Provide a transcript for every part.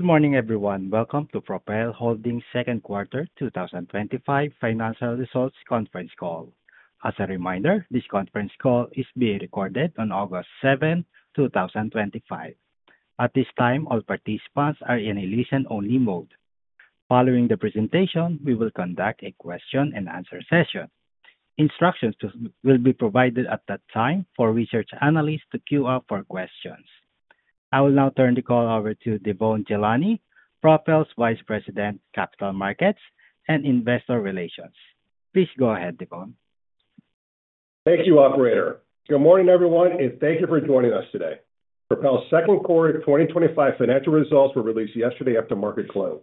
Good morning, everyone. Welcome to Propel Holdings' Second Quarter 2025 Financial Results Conference Call. As a reminder, this conference call is being recorded on August 7, 2025. At this time, all participants are in a listen-only mode. Following the presentation, we will conduct a question-and-answer session. Instructions will be provided at that time for research analysts to queue up for questions. I will now turn the call over to Devon Ghelani, Propel's Vice President, Capital Markets, and Investor Relations. Please go ahead, Devon. Thank you, Operator. Good morning, everyone, and thank you for joining us today. Propel's Second Quarter 2025 Financial Results were released yesterday after market close.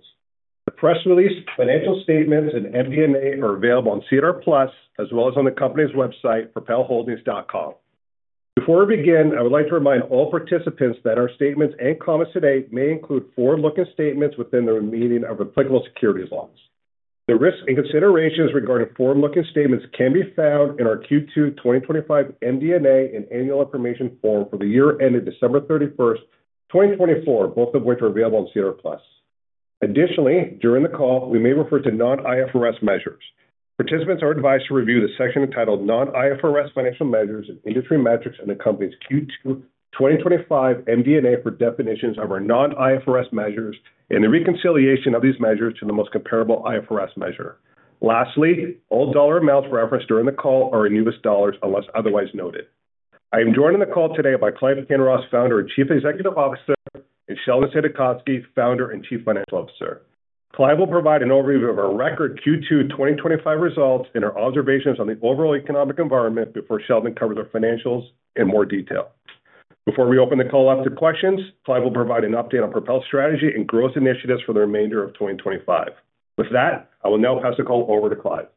The press release, financial statements, and MD&A are available on SEDAR+, as well as on the company's website, propelholdings.com. Before we begin, I would like to remind all participants that our statements and comments today may include forward-looking statements within the meaning of applicable securities laws. The risks and considerations regarding forward-looking statements can be found in our Q2 2025 MD&A and annual information form for the year ended December 31st, 2024, both of which are available on SEDAR+. Additionally, during the call, we may refer to non-IFRS measures. Participants are advised to review the section entitled "Non-IFRS Financial Measures and Industry Metrics" in the company's Q2 2025 MD&A for definitions of our non-IFRS measures and the reconciliation of these measures to the most comparable IFRS measure. Lastly, all dollar amounts referenced during the call are in U.S. dollars unless otherwise noted. I am joined on the call today by Clive Kinross, Founder and Chief Executive Officer, and Sheldon Saidakovsky, Founder and Chief Financial Officer. Clive will provide an overview of our record Q2 2025 results and our observations on the overall economic environment before Sheldon covers our financials in more detail. Before we open the call up to questions, Clive will provide an update on Propel's strategy and growth initiatives for the remainder of 2025. With that, I will now pass the call over to Clive.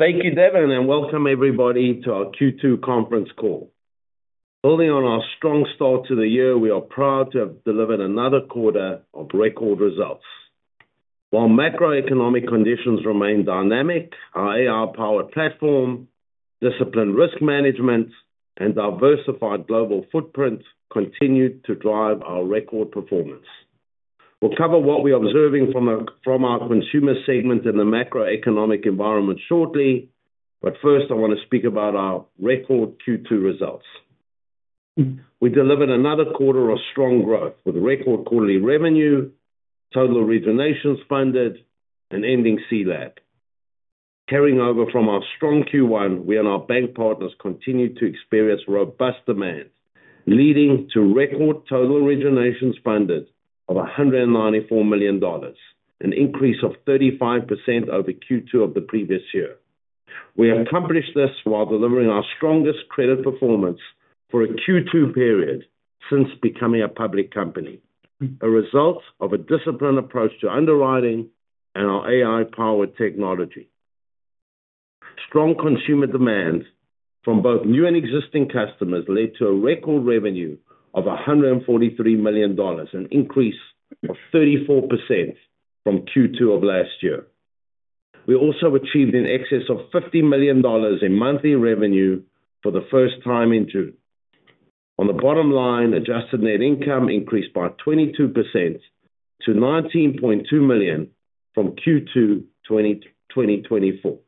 Thank you, Devon, and welcome everybody to our Q2 Conference Call. Building on our strong start to the year, we are proud to have delivered another quarter of record results. While macroeconomic conditions remain dynamic, our AI-powered platform, disciplined risk management, and diversified global footprint continue to drive our record performance. We'll cover what we're observing from our consumer segment in the macroeconomic environment shortly, but first I want to speak about our record Q2 results. We delivered another quarter of strong growth with record quarterly revenue, total originations funded, and ending CLAC. Carrying over from our strong Q1, we and our bank partners continue to experience robust demand, leading to record total originations funded of 194 million dollars, an increase of 35% over Q2 of the previous year. We accomplished this while delivering our strongest credit performance for a Q2 period since becoming a public company, a result of a disciplined approach to underwriting and our AI-powered technology. Strong consumer demand from both new and existing customers led to a record revenue of 143 million dollars, an increase of 34% from Q2 of last year. We also achieved in excess of 50 million dollars in monthly revenue for the first time in Q2. On the bottom line, adjusted net income increased by 22% to 19.2 million from Q2 2024.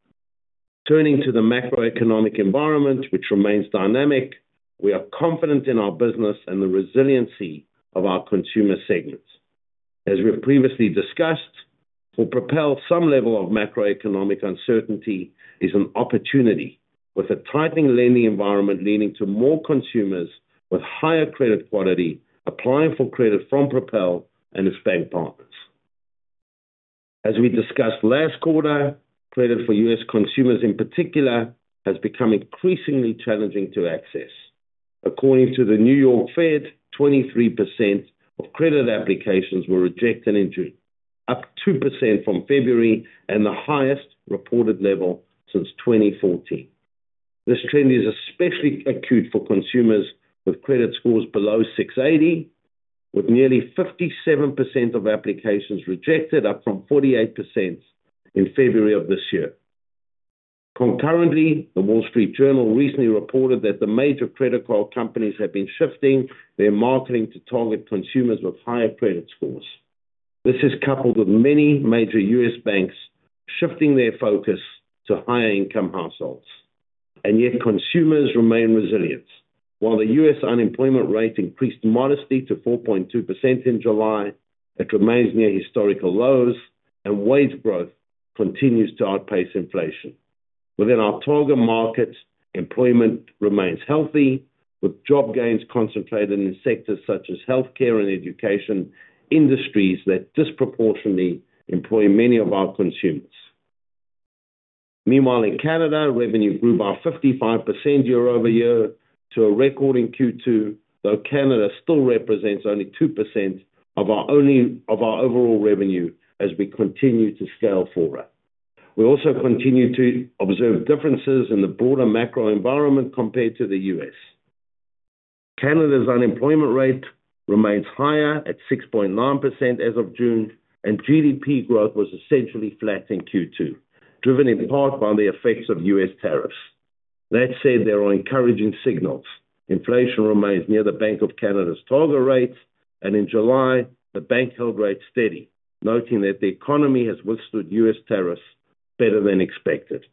Turning to the macroeconomic environment, which remains dynamic, we are confident in our business and the resiliency of our consumer segments. As we've previously discussed, for Propel, some level of macroeconomic uncertainty is an opportunity, with a tightening lending environment leading to more consumers with higher credit quality applying for credit from Propel and its bank partners. As we discussed last quarter, credit for U.S. consumers in particular has become increasingly challenging to access. According to the New York Fed, 23% of credit applications were rejected in June, up 2% from February, and the highest reported level since 2014. This trend is especially acute for consumers with credit scores below 680, with nearly 57% of applications rejected, up from 48% in February of this year. Concurrently, the Wall Street Journal recently reported that the major credit card companies have been shifting their marketing to target consumers with higher credit scores. This is coupled with many major U.S. banks shifting their focus to higher-income households. Yet, consumers remain resilient. While the U.S. unemployment rate increased modestly to 4.2% in July, it remains near historical lows, and wage growth continues to outpace inflation. Within our target markets, employment remains healthy, with job gains concentrated in sectors such as healthcare and education, industries that disproportionately employ many of our consumers. Meanwhile, in Canada, revenue grew by 55% year-over-year to a record in Q2, though Canada still represents only 2% of our overall revenue as we continue to scale forward. We also continue to observe differences in the broader macro environment compared to the U.S. Canada's unemployment rate remains higher at 6.9% as of June, and GDP growth was essentially flat in Q2, driven in part by the effects of U.S. tariffs. That said, there are encouraging signals. Inflation remains near the Bank of Canada's target rate, and in July, the bank held rates steady, noting that the economy has withstood U.S. tariffs better than expected.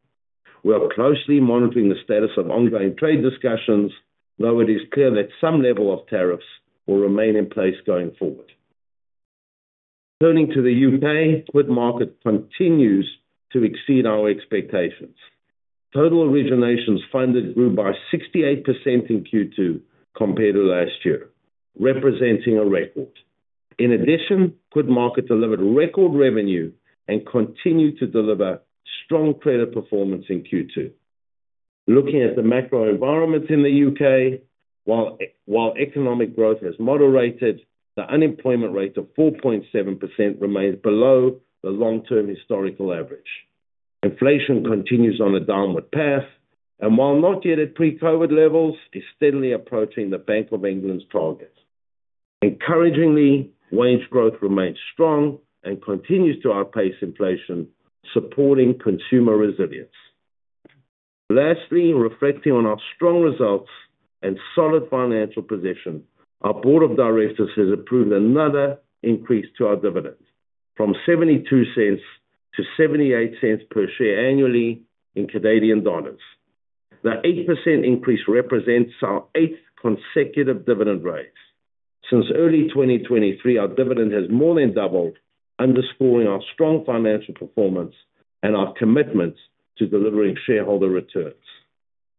We are closely monitoring the status of ongoing trade discussions, though it is clear that some level of tariffs will remain in place going forward. Turning to the U.K., the market continues to exceed our expectations. Total originations funded grew by 68% in Q2 compared to last year, representing a record. In addition, the market delivered record revenue and continued to deliver strong credit performance in Q2. Looking at the macro environment in the U.K., while economic growth has moderated, the unemployment rate of 4.7% remains below the long-term historical average. Inflation continues on a downward path, and while not yet at pre-COVID levels, it's steadily approaching the Bank of England's target. Encouragingly, wage growth remains strong and continues to outpace inflation, supporting consumer resilience. Lastly, reflecting on our strong results and solid financial position, our Board of Directors has approved another increase to our dividend from 0.72-0.78 per share annually. The 8% increase represents our eighth consecutive dividend raise. Since early 2023, our dividend has more than doubled, underscoring our strong financial performance and our commitment to delivering shareholder returns.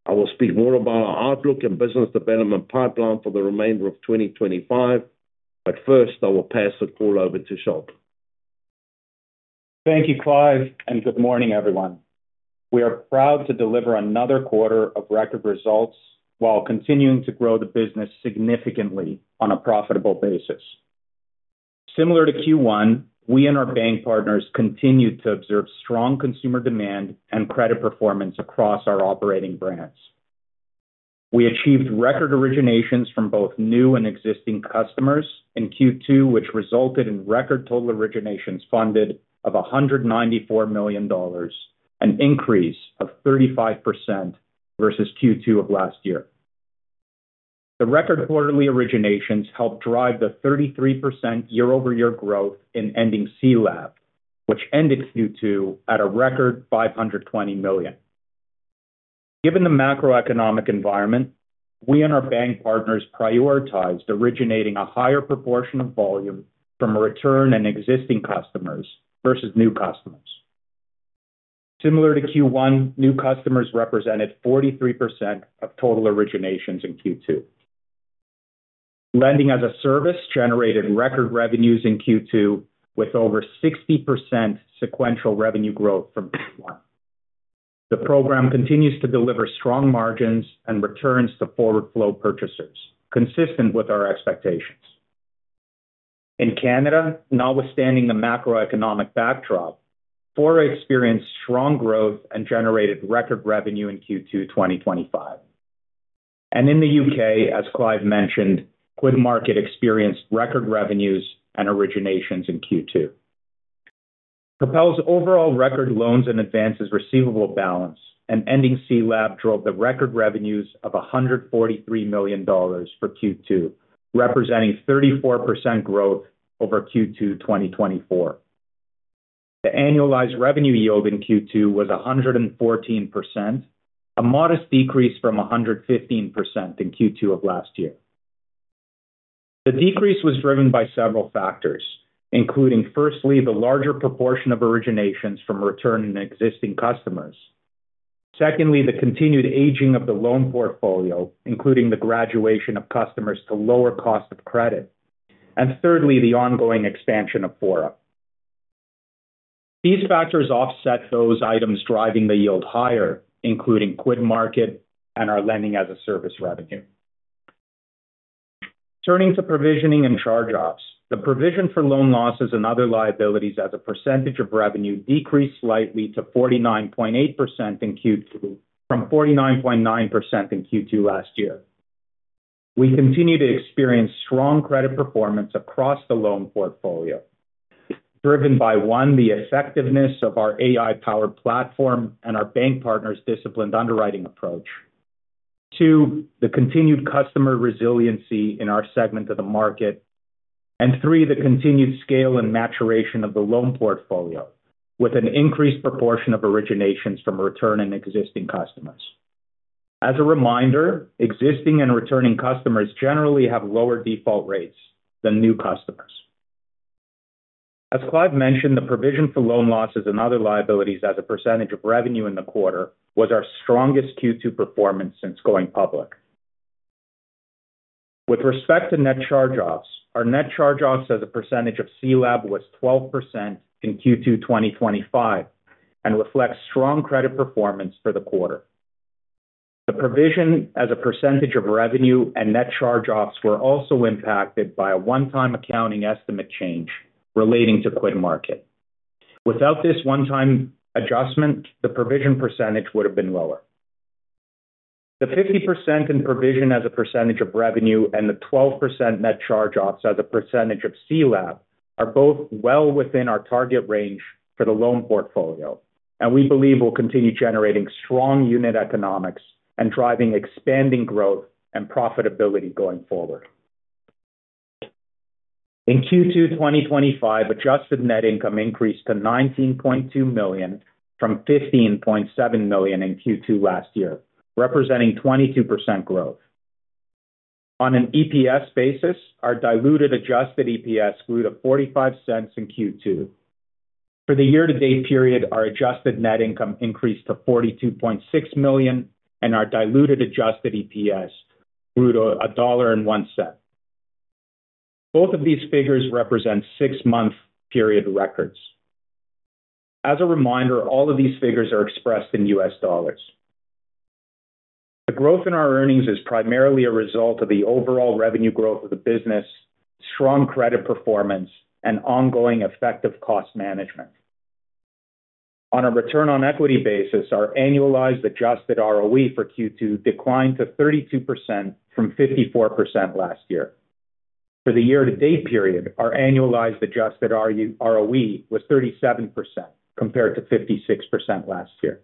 I will speak more about our outlook and business development pipeline for the remainder of 2025, but first, I will pass the call over to Sheldon. Thank you, Clive, and good morning, everyone. We are proud to deliver another quarter of record results while continuing to grow the business significantly on a profitable basis. Similar to Q1, we and our bank partners continue to observe strong consumer demand and credit performance across our operating brands. We achieved record originations from both new and existing customers in Q2, which resulted in record total originations funded of 194 million dollars, an increase of 35% versus Q2 of last year. The record quarterly originations helped drive the 33% year-over-year growth in ending CLAC, which ended Q2 at a record 520 million. Given the macroeconomic environment, we and our bank partners prioritized originating a higher proportion of volume from a return on existing customers versus new customers. Similar to Q1, new customers represented 43% of total originations in Q2. Lending-as-a-service generated record revenues in Q2, with over 60% sequential revenue growth from Q1. The program continues to deliver strong margins and returns to forward flow purchasers, consistent with our expectations. In Canada, notwithstanding the macroeconomic backdrop, Fora experienced strong growth and generated record revenue in Q2 2025. In the U.K., as Clive mentioned, QuidMarket experienced record revenues and originations in Q2. Propel's overall record loans and advances receivable balance and ending CLAC drove the record revenues of 143 million dollars for Q2, representing 34% growth over Q2 2024. The annualized revenue yield in Q2 was 114%, a modest decrease from 115% in Q2 of last year. The decrease was driven by several factors, including, firstly, the larger proportion of originations from a return on existing customers. Secondly, the continued aging of the loan portfolio, including the graduation of customers to lower costs of credit. Thirdly, the ongoing expansion of Fora. These factors offset those items driving the yield higher, including QuidMarket and our lending-as-a-service revenue. Turning to provisioning and charge-offs, the provision for loan losses and other liabilities as a percentage of revenue decreased slightly to 49.8% in Q2 from 49.9% in Q2 last year. We continue to experience strong credit performance across the loan portfolio, driven by, one, the effectiveness of our AI-powered platform and our bank partners' disciplined underwriting approach. Two, the continued customer resiliency in our segment of the market. The continued scale and maturation of the loan portfolio, with an increased proportion of originations from a return on existing customers, is significant. As a reminder, existing and returning customers generally have lower default rates than new customers. As Clive mentioned, the provision for loan losses and other liabilities as a percentage of revenue in the quarter was our strongest Q2 performance since going public. With respect to net charge-offs, our net charge-offs as a percentage of CLAC was 12% in Q2 2025 and reflect strong credit performance for the quarter. The provision as a percentage of revenue and net charge-offs were also impacted by a one-time accounting estimate change relating to QuidMarket. Without this one-time adjustment, the provision percentage would have been lower. The 50% in provision as a percentage of revenue and the 12% net charge-offs as a percentage of CLAC are both well within our target range for the loan portfolio, and we believe we'll continue generating strong unit economics and driving expanding growth and profitability going forward. In Q2 2025, adjusted net income increased to 19.2 million from 15.7 million in Q2 last year, representing 22% growth. On an EPS basis, our diluted adjusted EPS grew to 0.45 in Q2. For the year-to-date period, our adjusted net income increased to 42.6 million, and our diluted adjusted EPS grew to 1.01 dollar. Both of these figures represent six-month period records. As a reminder, all of these figures are expressed in U.S. dollars. The growth in our earnings is primarily a result of the overall revenue growth of the business, strong credit performance, and ongoing effective cost management. On a return on equity basis, our annualized adjusted ROE for Q2 declined to 32% from 54% last year. For the year-to-date period, our annualized adjusted ROE was 37% compared to 56% last year.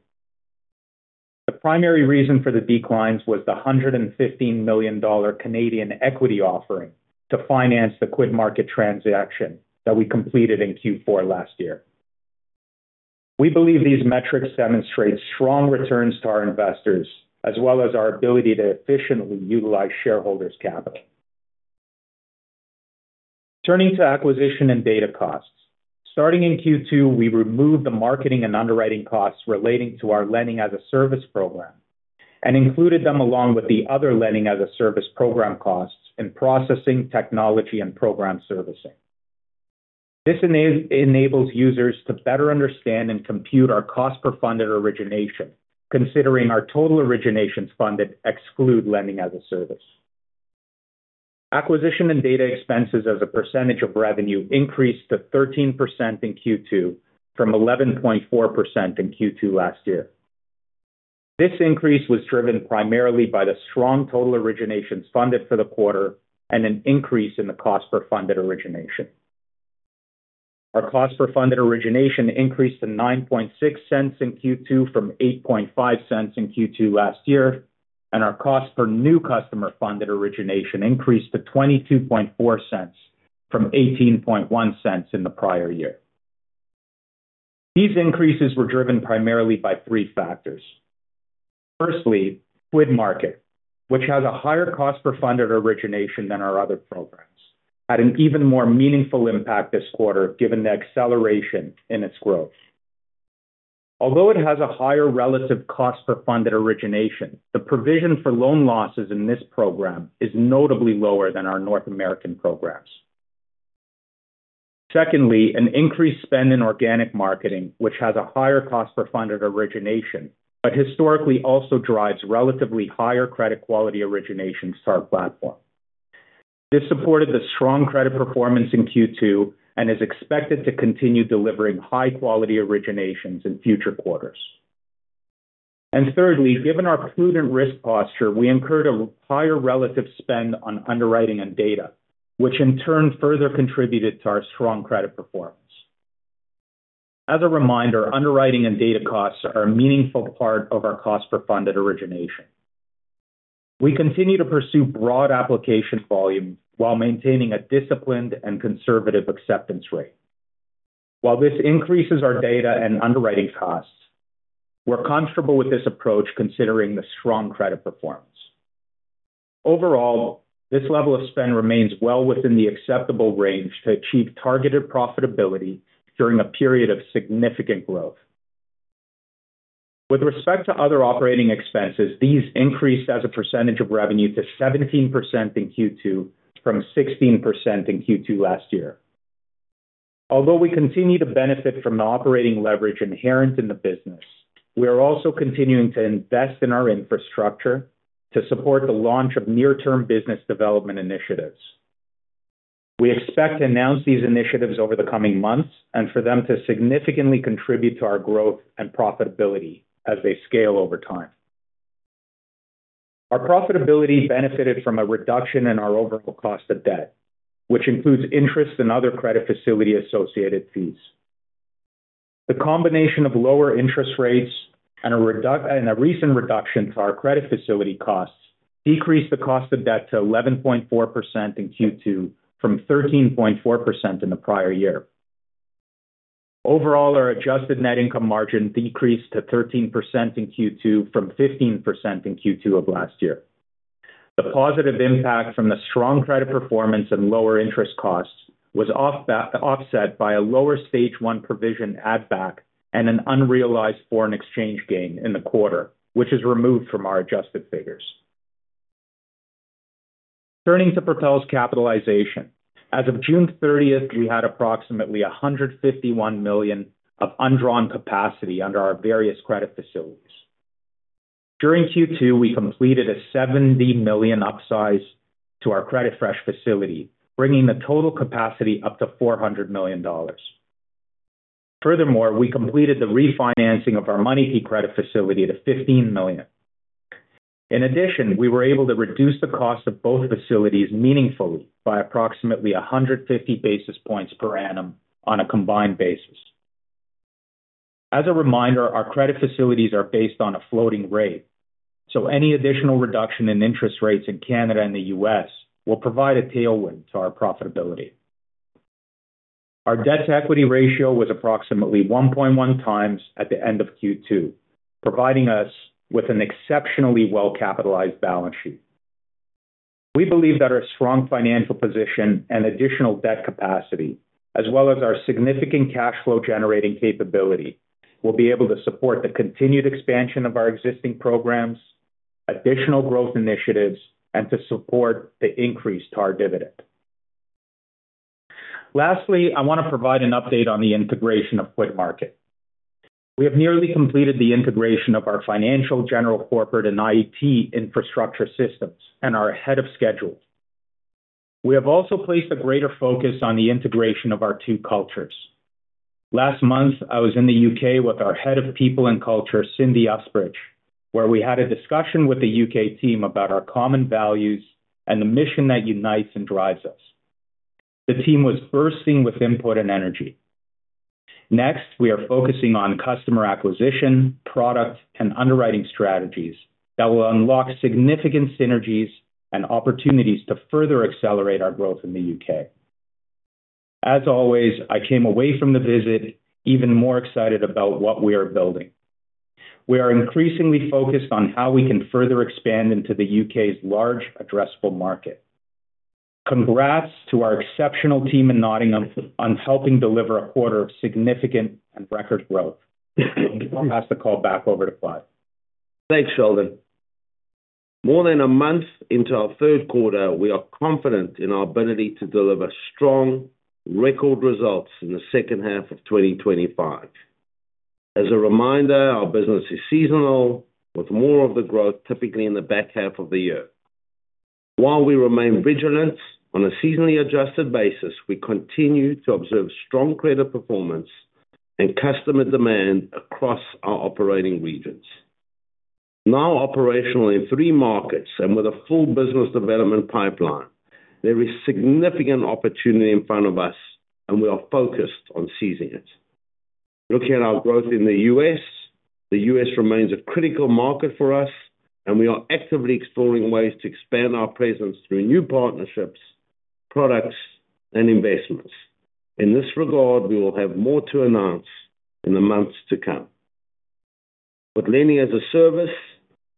The primary reason for the declines was the 115 million Canadian dollars Canadian equity offering to finance the QuidMarket transaction that we completed in Q4 last year. We believe these metrics demonstrate strong returns to our investors, as well as our ability to efficiently utilize shareholders' capital. Turning to acquisition and data costs, starting in Q2, we removed the marketing and underwriting costs relating to our lending-as-a-service program and included them along with the other lending-as-a-service program costs in processing technology and program servicing. This enables users to better understand and compute our cost per funded origination, considering our total originations funded exclude lending-as-a-service. Acquisition and data expenses as a percentage of revenue increased to 13% in Q2 from 11.4% in Q2 last year. This increase was driven primarily by the strong total originations funded for the quarter and an increase in the cost per funded origination. Our cost per funded origination increased to 0.096 in Q2 from 0.085 in Q2 last year, and our cost per new customer funded origination increased to 0.224 from 0.181 in the prior year. These increases were driven primarily by three factors. Firstly, QuidMarket, which has a higher cost per funded origination than our other programs, had an even more meaningful impact this quarter given the acceleration in its growth. Although it has a higher relative cost per funded origination, the provision for loan losses in this program is notably lower than our North American programs. Secondly, an increased spend in organic marketing, which has a higher cost per funded origination, but historically also drives relatively higher credit quality originations to our platform. This supported the strong credit performance in Q2 and is expected to continue delivering high-quality originations in future quarters. Thirdly, given our prudent risk posture, we incurred a higher relative spend on underwriting and data, which in turn further contributed to our strong credit performance. As a reminder, underwriting and data costs are a meaningful part of our cost per funded origination. We continue to pursue broad application volume while maintaining a disciplined and conservative acceptance rate. While this increases our data and underwriting costs, we're comfortable with this approach considering the strong credit performance. Overall, this level of spend remains well within the acceptable range to achieve targeted profitability during a period of significant growth. With respect to other operating expenses, these increased as a percentage of revenue to 17% in Q2 from 16% in Q2 last year. Although we continue to benefit from the operating leverage inherent in the business, we are also continuing to invest in our infrastructure to support the launch of near-term business development initiatives. We expect to announce these initiatives over the coming months and for them to significantly contribute to our growth and profitability as they scale over time. Our profitability benefited from a reduction in our overall cost of debt, which includes interest and other credit facility-associated fees. The combination of lower interest rates and a recent reduction to our credit facility costs decreased the cost of debt to 11.4% in Q2 from 13.4% in the prior year. Overall, our adjusted net income margin decreased to 13% in Q2 from 15% in Q2 of last year. The positive impact from the strong credit performance and lower interest costs was offset by a lower stage one provision add-back and an unrealized foreign exchange gain in the quarter, which is removed from our adjusted figures. Turning to Propel's capitalization, as of June 30th, we had approximately 151 million of undrawn capacity under our various credit facilities. During Q2, we completed a 70 million upsize to our CreditFresh facility, bringing the total capacity up to 400 million dollars. Furthermore, we completed the refinancing of our MoneyKey credit facility to 15 million. In addition, we were able to reduce the cost of both facilities meaningfully by approximately 150 basis points per annum on a combined basis. As a reminder, our credit facilities are based on a floating rate, so any additional reduction in interest rates in Canada and the U.S. will provide a tailwind to our profitability. Our debt-to-equity ratio was approximately 1.1x at the end of Q2, providing us with an exceptionally well-capitalized balance sheet. We believe that our strong financial position and additional debt capacity, as well as our significant cash flow generating capability, will be able to support the continued expansion of our existing programs, additional growth initiatives, and to support the increased target dividend. Lastly, I want to provide an update on the integration of QuidMarket. We have nearly completed the integration of our financial, general corporate, and IT infrastructure systems and are ahead of schedule. We have also placed a greater focus on the integration of our two cultures. Last month, I was in the U.K. with our Head of People and Culture, Cindy Usprech, where we had a discussion with the U.K. team about our common values and the mission that unites and drives us. The team was bursting with input and energy. Next, we are focusing on customer acquisition, product, and underwriting strategies that will unlock significant synergies and opportunities to further accelerate our growth in the U.K.. As always, I came away from the visit even more excited about what we are building. We are increasingly focused on how we can further expand into the U.K.'s large addressable market. Congrats to our exceptional team in Nottingham on helping deliver a quarter of significant and record growth. I'll pass the call back over to Clive. Thanks, Sheldon. More than a month into our third quarter, we are confident in our ability to deliver strong record results in the second half of 2025. As a reminder, our business is seasonal, with more of the growth typically in the back half of the year. While we remain vigilant on a seasonally adjusted basis, we continue to observe strong credit performance and customer demand across our operating regions. Now operational in three markets and with a full business development pipeline, there is significant opportunity in front of us, and we are focused on seizing it. Looking at our growth in the U.S., the U.S. remains a critical market for us, and we are actively exploring ways to expand our presence through new partnerships, products, and investments. In this regard, we will have more to announce in the months to come. With lending-as-a-service,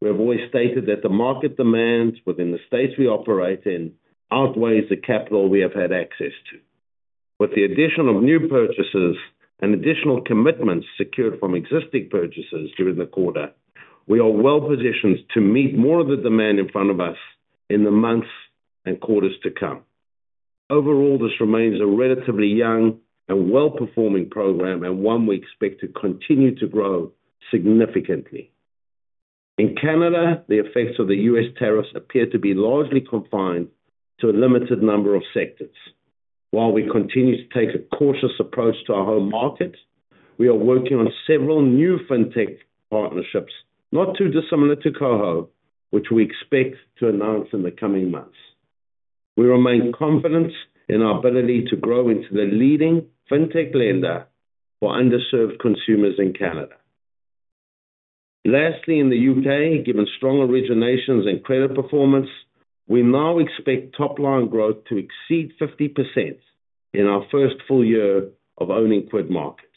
we have always stated that the market demands within the states we operate in outweigh the capital we have had access to. With the addition of new purchases and additional commitments secured from existing purchases during the quarter, we are well positioned to meet more of the demand in front of us in the months and quarters to come. Overall, this remains a relatively young and well-performing program, and one we expect to continue to grow significantly. In Canada, the effects of the U.S. tariffs appear to be largely confined to a limited number of sectors. While we continue to take a cautious approach to our home markets, we are working on several new fintech partnerships, not too dissimilar to KOHO, which we expect to announce in the coming months. We remain confident in our ability to grow into the leading fintech lender for underserved consumers in Canada. Lastly, in the U.K., given strong originations and credit performance, we now expect top-line growth to exceed 50% in our first full year of owning QuidMarket.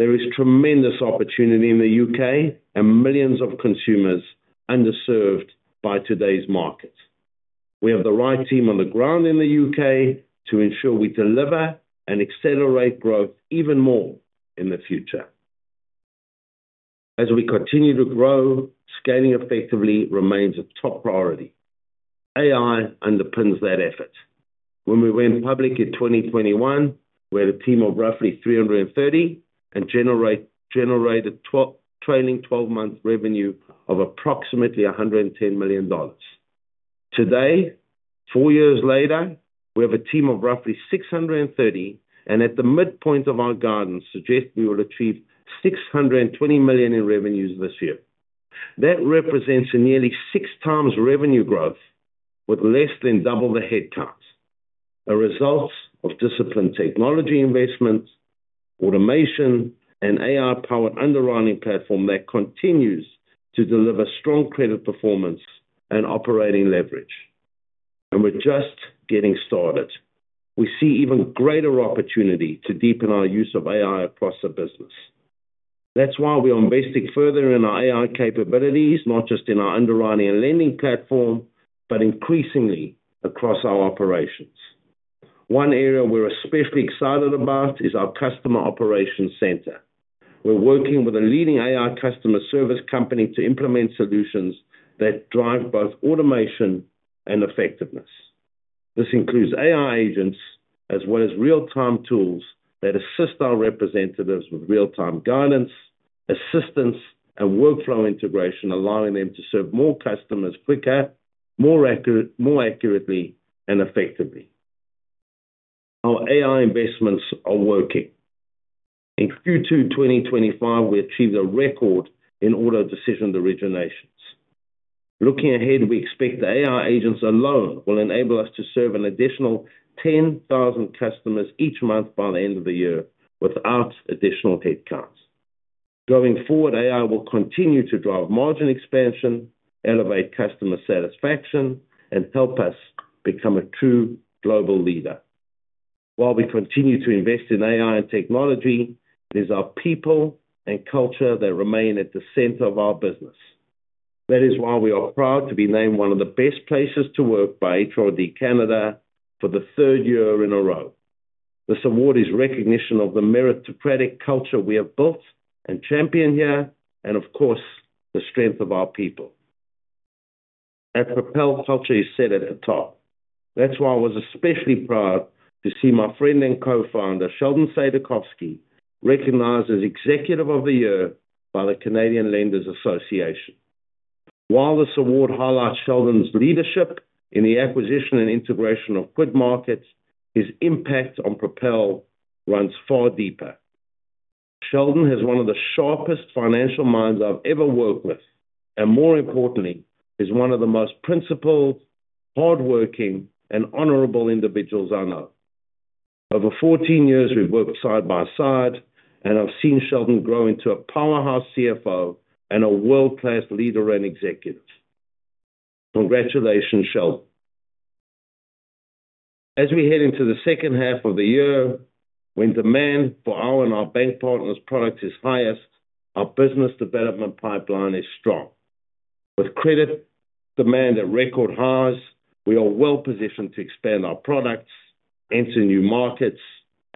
There is tremendous opportunity in the U.K. and millions of consumers underserved by today's market. We have the right team on the ground in the U.K. to ensure we deliver and accelerate growth even more in the future. As we continue to grow, scaling effectively remains a top priority. AI underpins that effort. When we went public in 2021, we had a team of roughly 330 and generated trailing 12-month revenue of approximately 110 million dollars. Today, four years later, we have a team of roughly 630 and at the midpoint of our guidance suggest we will achieve 620 million in revenues this year. That represents a nearly six times revenue growth with less than double the headcount. It is a result of disciplined technology investments, automation, and an AI-powered underwriting platform that continues to deliver strong credit performance and operating leverage. We're just getting started. We see even greater opportunity to deepen our use of AI across the business. That's why we're investing further in our AI capabilities, not just in our underwriting and lending platform, but increasingly across our operations. One area we're especially excited about is our customer operations center. We're working with a leading AI customer service company to implement solutions that drive both automation and effectiveness. This includes AI agents as well as real-time tools that assist our representatives with real-time guidance, assistance, and workflow integration, allowing them to serve more customers quicker, more accurately, and effectively. Our AI investments are working. In Q2 2025, we achieved a record in auto-decision originations. Looking ahead, we expect the AI agents alone will enable us to serve an additional 10,000 customers each month by the end of the year without additional headcount. Going forward, AI will continue to drive margin expansion, elevate customer satisfaction, and help us become a true global leader. While we continue to invest in AI and technology, it is our people and culture that remain at the center of our business. That is why we are proud to be named one of the best places to work by HRD Canada for the third year in a row. This award is a recognition of the meritocratic culture we have built and championed here, and of course, the strength of our people. Our Propel culture is set at the top. I was especially proud to see my friend and co-founder, Sheldon Saidakovsky, recognized as Executive of the Year by the Canadian Lenders Association. While this award highlights Sheldon's leadership in the acquisition and integration of QuidMarket, his impact on Propel runs far deeper. Sheldon has one of the sharpest financial minds I've ever worked with, and more importantly, he's one of the most principled, hardworking, and honorable individuals I know. Over 14 years, we've worked side by side, and I've seen Sheldon grow into a powerhouse CFO and a world-class leader and executive. Congratulations, Sheldon. As we head into the second half of the year, when demand for our and our bank partners' products is highest, our business development pipeline is strong. With credit demand at record highs, we are well-positioned to expand our products, enter new markets,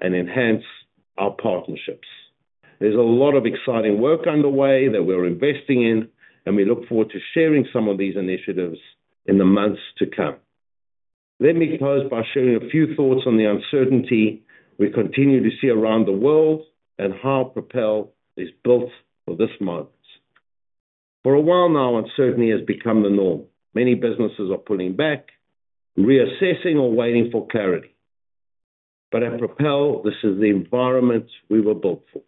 and enhance our partnerships. There's a lot of exciting work underway that we're investing in, and we look forward to sharing some of these initiatives in the months to come. Let me close by sharing a few thoughts on the uncertainty we continue to see around the world and how Propel is built for this market. For a while now, uncertainty has become the norm. Many businesses are pulling back, reassessing, or waiting for clarity. At Propel, this is the environment we were built for.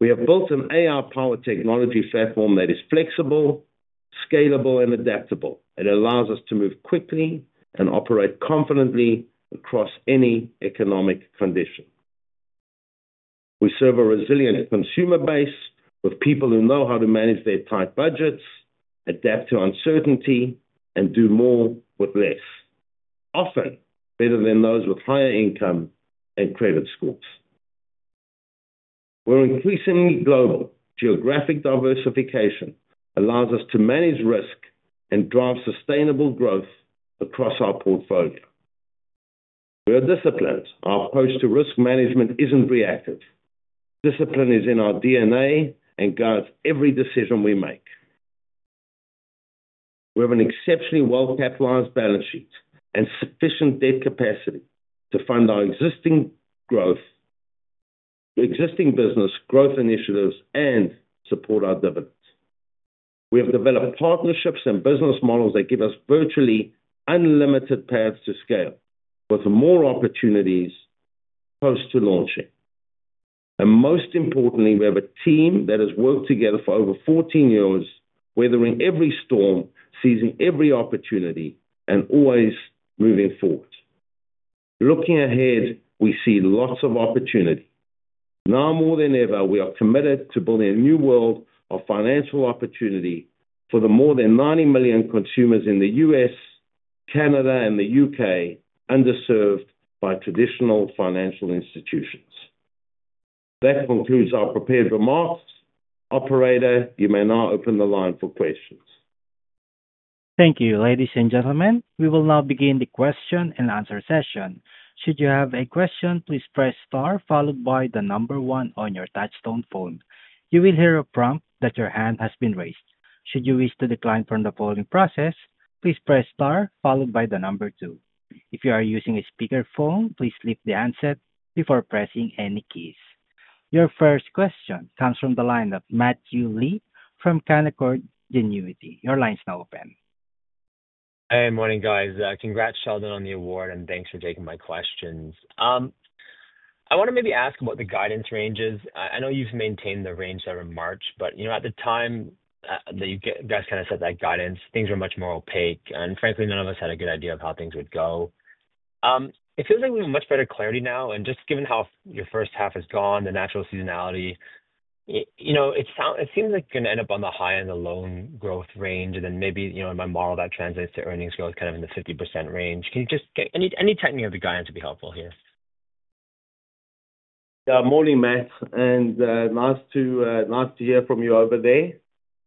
We have built an AI-powered platform that is flexible, scalable, and adaptable. It allows us to move quickly and operate confidently across any economic condition. We serve a resilient consumer base with people who know how to manage their tight budgets, adapt to uncertainty, and do more with less, often better than those with higher income and credit scores. We're increasingly global. Geographic diversification allows us to manage risk and drive sustainable growth across our portfolio. We are disciplined. Our approach to risk management isn't reactive. Discipline is in our DNA and guides every decision we make. We have an exceptionally well-capitalized balance sheet and sufficient debt capacity to fund our existing business growth initiatives and support our dividends. We have developed partnerships and business models that give us virtually unlimited paths to scale, with more opportunities close to launching. Most importantly, we have a team that has worked together for over 14 years, weathering every storm, seizing every opportunity, and always moving forward. Looking ahead, we see lots of opportunity. Now more than ever, we are committed to building a new world of financial opportunity for the more than 90 million consumers in the U.S., Canada, and the U.K., underserved by traditional financial institutions. That concludes our prepared remarks. Operator, you may now open the line for questions. Thank you, ladies and gentlemen. We will now begin the question and answer session. Should you have a question, please press star followed by the number one on your touch-tone phone. You will hear a prompt that your hand has been raised. Should you wish to decline from the polling process, please press star followed by the number two. If you are using a speakerphone, please leave the handset before pressing any keys. Your first question comes from the line of Matthew Lee from Canaccord Genuity. Your line is now open. Hey, morning guys. Congrats, Sheldon, on the award, and thanks for taking my questions. I want to maybe ask about the guidance ranges. I know you've maintained the range every March, but at the time that you guys kind of set that guidance, things were much more opaque, and frankly, none of us had a good idea of how things would go. It feels like we have much better clarity now, and just given how your first half has gone, the natural seasonality, it seems like you're going to end up on the high end of the loan growth range, and then maybe in my model that translates to earnings growth kind of in the 50% range. Can you just give any tightening of the guidance would be helpful here? Morning, Matt. Nice to hear from you over there.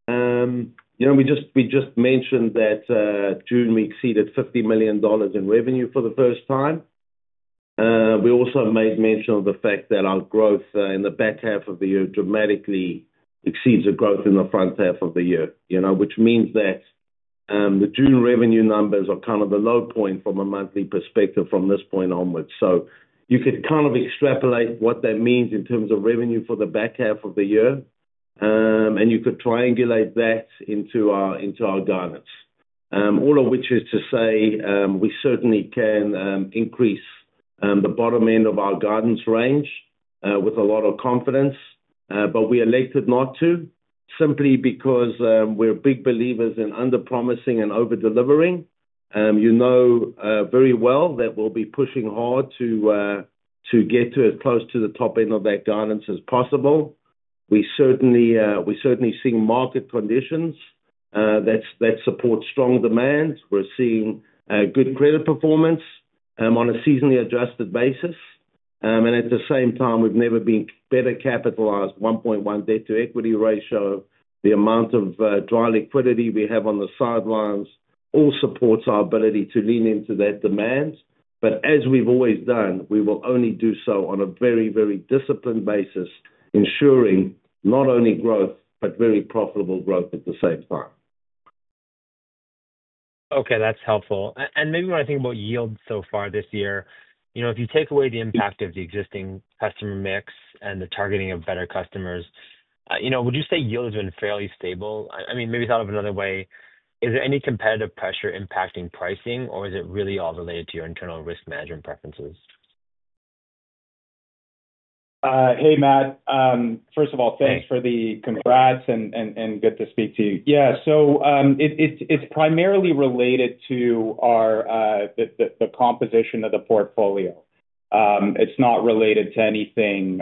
We just mentioned that in June we exceeded 50 million dollars in revenue for the first time. We also made mention of the fact that our growth in the back half of the year dramatically exceeds the growth in the front half of the year, which means that the June revenue numbers are kind of the low point from a monthly perspective from this point onwards. You could kind of extrapolate what that means in terms of revenue for the back half of the year, and you could triangulate that into our guidance. All of which is to say we certainly can increase the bottom end of our guidance range with a lot of confidence, but we elected not to simply because we're big believers in underpromising and overdelivering. You know very well that we'll be pushing hard to get to as close to the top end of that guidance as possible. We certainly see market conditions that support strong demand. We're seeing good credit performance on a seasonally adjusted basis, and at the same time, we've never been better capitalized, 1.1 debt-to-equity ratio. The amount of dry liquidity we have on the sidelines all supports our ability to lean into that demand. As we've always done, we will only do so on a very, very disciplined basis, ensuring not only growth but very profitable growth at the same time. Okay, that's helpful. Maybe when I think about yield so far this year, if you take away the impact of the existing customer mix and the targeting of better customers, would you say yield has been fairly stable? Maybe thought of another way, is there any competitive pressure impacting pricing, or is it really all related to your internal risk management preferences? Hey, Matt. First of all, thanks for the congrats and good to speak to you. It's primarily related to the composition of the portfolio. It's not related to anything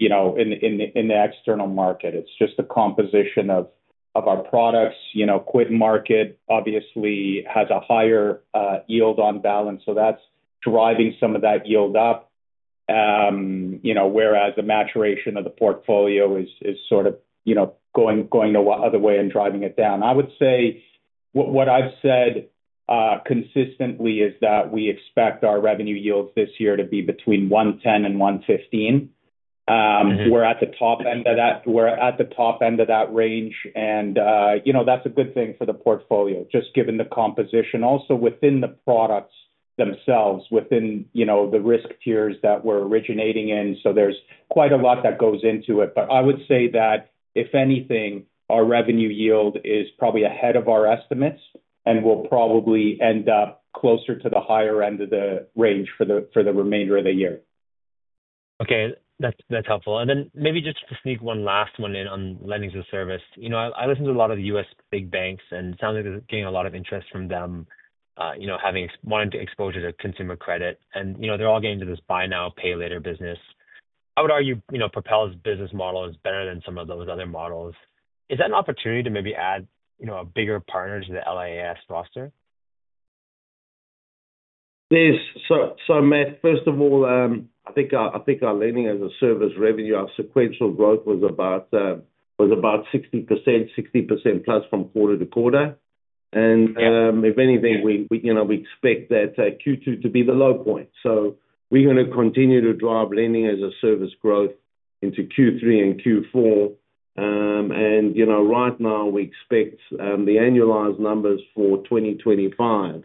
in the external market. It's just the composition of our products. QuidMarket obviously has a higher yield on balance, so that's driving some of that yield up. Whereas the maturation of the portfolio is sort of going the other way and driving it down. I would say what I've said consistently is that we expect our revenue yields this year to be between 110% and 115%. We're at the top end of that range, and you know that's a good thing for the portfolio, just given the composition also within the products themselves, within the risk tiers that we're originating in. There's quite a lot that goes into it. I would say that if anything, our revenue yield is probably ahead of our estimates and will probably end up closer to the higher end of the range for the remainder of the year. Okay, that's helpful. Maybe just to sneak one last one in on lending-as-a-service. I listen to a lot of the U.S. big banks, and it sounds like they're getting a lot of interest from them, wanting to expose you to consumer credit. They're all getting into this buy now, pay later business. I would argue Propel's business model is better than some of those other models. Is that an opportunity to maybe add a bigger partner to the lending-as-a-service roster? Yes. Matt, first of all, I think our lending-as-a-service revenue sequential growth was about 60%, 60%+ from quarter-to-quarter. If anything, we expect that Q2 to be the low point. We're going to continue to drive lending-as-a-service growth into Q3 and Q4. Right now, we expect the annualized numbers for 2025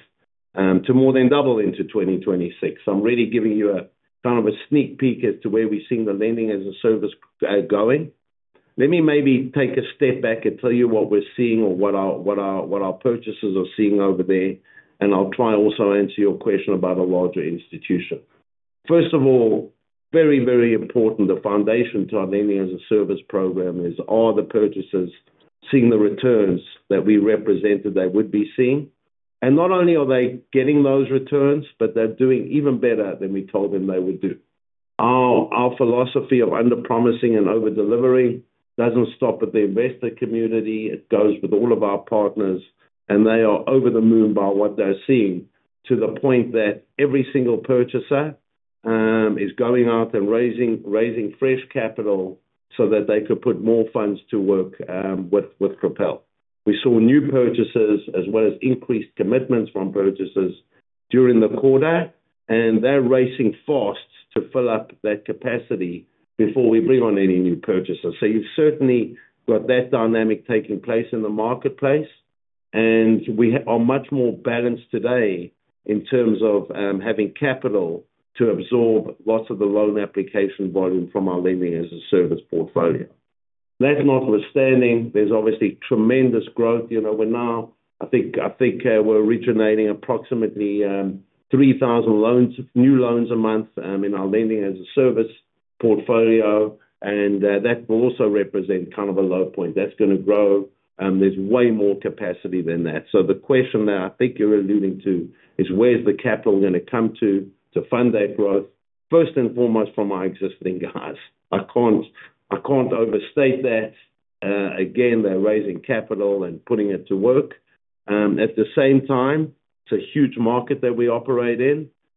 to more than double into 2026. I'm really giving you a kind of a sneak peek as to where we're seeing the lending-as-a-service going. Let me maybe take a step back and tell you what we're seeing or what our purchasers are seeing over there, and I'll try also to answer your question about a larger institution. First of all, very, very important, the foundation to our lending-as-a-service program is are the purchasers seeing the returns that we represented they would be seeing? Not only are they getting those returns, but they're doing even better than we told them they would do. Our philosophy of underpromising and overdelivering doesn't stop with the investor community. It goes with all of our partners, and they are over the moon by what they're seeing to the point that every single purchaser is going out and raising fresh capital so that they could put more funds to work with Propel. We saw new purchases as well as increased commitments from purchasers during the quarter, and they're racing fast to fill up that capacity before we bring on any new purchasers. You've certainly got that dynamic taking place in the marketplace, and we are much more balanced today in terms of having capital to absorb lots of the loan application volume from our lending-as-a-service portfolio. That notwithstanding, there's obviously tremendous growth. We're now, I think we're originating approximately 3,000 new loans a month in our lending-as-a-service portfolio, and that will also represent kind of a low point. That's going to grow. There's way more capacity than that. The question that I think you're alluding to is where's the capital going to come to to fund that growth? First and foremost, from our existing guys. I can't overstate that. Again, they're raising capital and putting it to work. At the same time, it's a huge market that we operate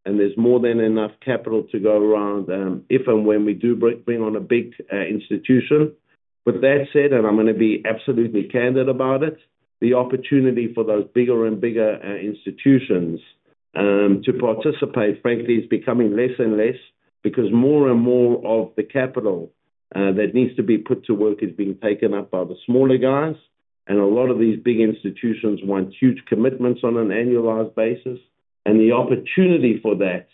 in, and there's more than enough capital to go around if and when we do bring on a big institution. With that said, and I'm going to be absolutely candid about it, the opportunity for those bigger and bigger institutions to participate, frankly, is becoming less and less because more and more of the capital that needs to be put to work is being taken up by the smaller guys, and a lot of these big institutions want huge commitments on an annualized basis, and the opportunity for that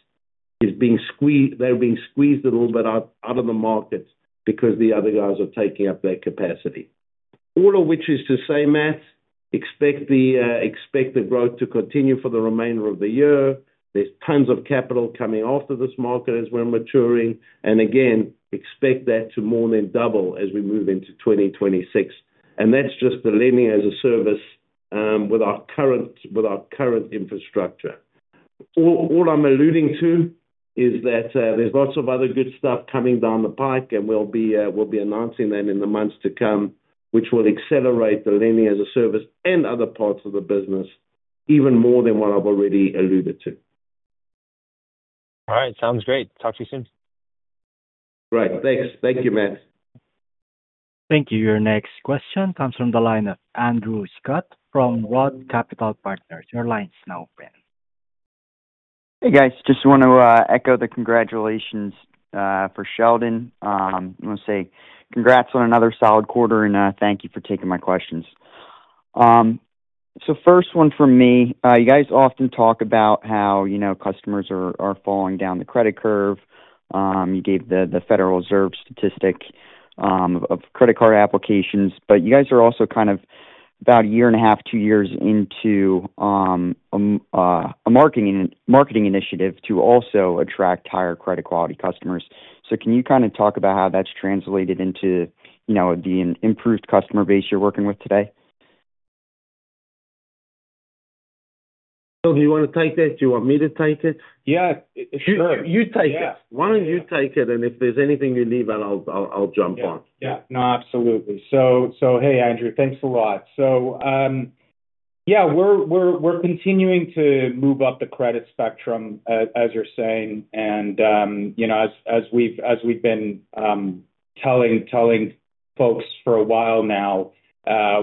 is being squeezed. They're being squeezed a little bit out of the market because the other guys are taking up their capacity. All of which is to say, Matt, expect the growth to continue for the remainder of the year. There's tons of capital coming after this market as we're maturing, and expect that to more than double as we move into 2026. That's just the lending-as-a-service program with our current infrastructure. All I'm alluding to is that there's lots of other good stuff coming down the pike, and we'll be announcing that in the months to come, which will accelerate the lending-as-a-service program and other parts of the business even more than what I've already alluded to. All right, sounds great. Talk to you soon. Great, thanks. Thank you, Matt. Thank you. Your next question comes from the line of Andrew Scutt from ROTH Capital Partners. Your line is now open. Hey guys, just want to echo the congratulations for Sheldon. I'm going to say congrats on another solid quarter, and thank you for taking my questions. First one from me. You guys often talk about how, you know, customers are falling down the credit curve. You gave the Federal Reserve statistic of credit card applications, but you guys are also kind of about a year and a half, two years into a marketing initiative to also attract higher credit quality customers. Can you kind of talk about how that's translated into, you know, the improved customer base you're working with today? Do you want to take it? Do you want me to take it? Yeah, sure. You take it. Why don't you take it? If there's anything you need, I'll jump on. Yeah, no, absolutely. Hey, Andrew, thanks a lot. Yeah, we're continuing to move up the credit spectrum, as you're saying. As we've been telling folks for a while now,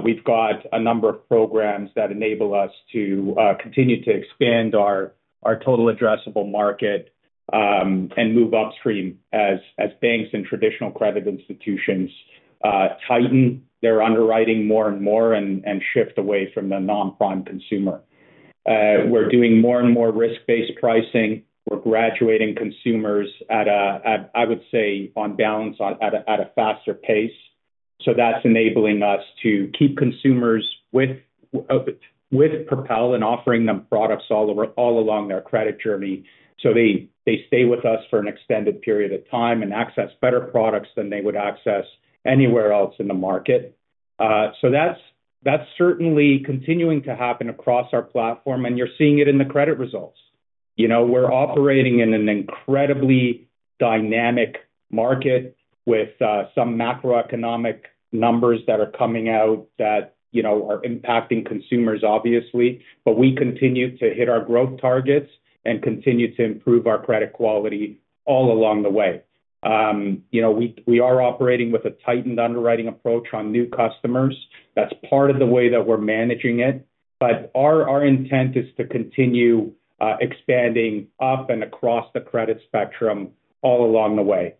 we've got a number of programs that enable us to continue to expand our total addressable market and move upstream as banks and traditional credit institutions tighten their underwriting more and more and shift away from the non-fund consumer. We're doing more and more risk-based pricing. We're graduating consumers at, I would say, on balance at a faster pace. That's enabling us to keep consumers with Propel and offering them products all along their credit journey so they stay with us for an extended period of time and access better products than they would access anywhere else in the market. That's certainly continuing to happen across our platform, and you're seeing it in the credit results. We're operating in an incredibly dynamic market with some macroeconomic numbers that are coming out that are impacting consumers, obviously, but we continue to hit our growth targets and continue to improve our credit quality all along the way. We are operating with a tightened underwriting approach on new customers. That's part of the way that we're managing it. Our intent is to continue expanding often across the credit spectrum all along the way.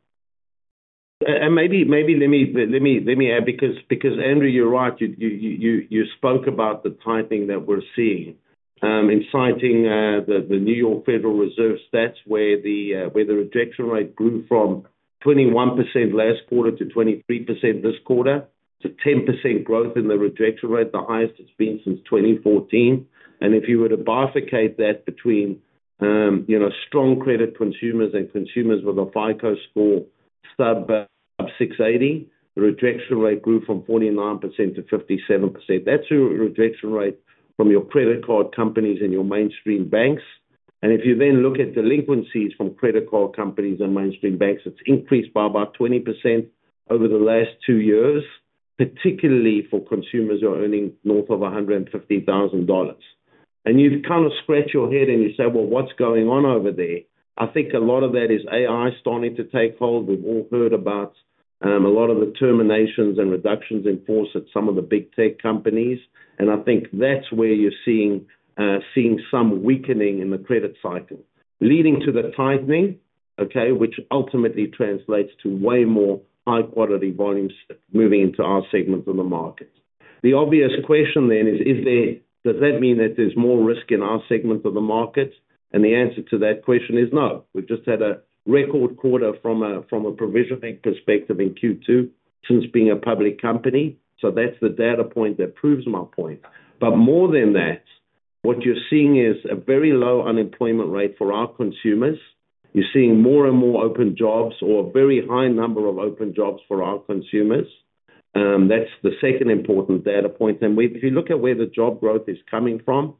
Maybe let me add because Andrew, you're right. You spoke about the tightening that we're seeing. In citing the New York Federal Reserve, that's where the rejection rate grew from 21% last quarter to 23% this quarter, a 10% growth in the rejection rate, the highest it's been since 2014. If you were to bifurcate that between strong credit consumers and consumers with a FICO score sub-680, the rejection rate grew from 49%-57%. That's your rejection rate from your credit card companies and your mainstream banks. If you then look at delinquencies from credit card companies and mainstream banks, it's increased by about 20% over the last two years, particularly for consumers who are earning north of 150,000 dollars. You kind of scratch your head and you say, what's going on over there? I think a lot of that is AI starting to take hold. We've all heard about a lot of the terminations and reductions in force at some of the big tech companies. I think that's where you're seeing some weakening in the credit cycle, leading to the tightening, which ultimately translates to way more high-quality volumes moving into our segment of the market. The obvious question then is, does that mean that there's more risk in our segment of the market? The answer to that question is no. We just had a record quarter from a provisioning perspective in Q2 since being a public company. That's the data point that proves my point. More than that, what you're seeing is a very low unemployment rate for our consumers. You're seeing more and more open jobs or a very high number of open jobs for our consumers. That's the second important data point. If you look at where the job growth is coming from,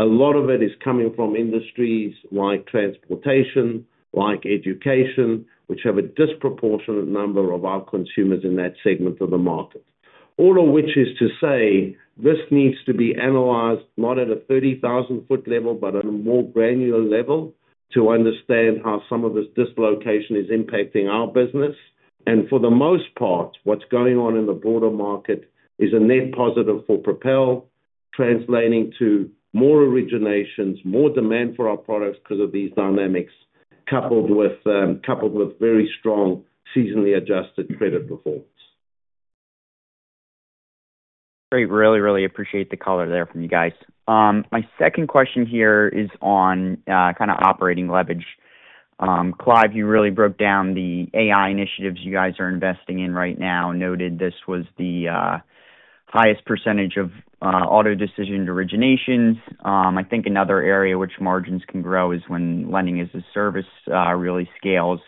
a lot of it is coming from industries like transportation, like education, which have a disproportionate number of our consumers in that segment of the market. All of which is to say this needs to be analyzed not at a 30,000-foot level, but at a more granular level to understand how some of this dislocation is impacting our business. For the most part, what's going on in the broader market is a net positive for Propel Holdings, translating to more originations, more demand for our products because of these dynamics, coupled with very strong seasonally adjusted credit performance. Great. Really, really appreciate the color there from you guys. My second question here is on kind of operating leverage. Clive, you really broke down the AI initiatives you guys are investing in right now. Noted this was the highest percentage of auto-decision originations. I think another area which margins can grow is when lending-as-a-service really scales.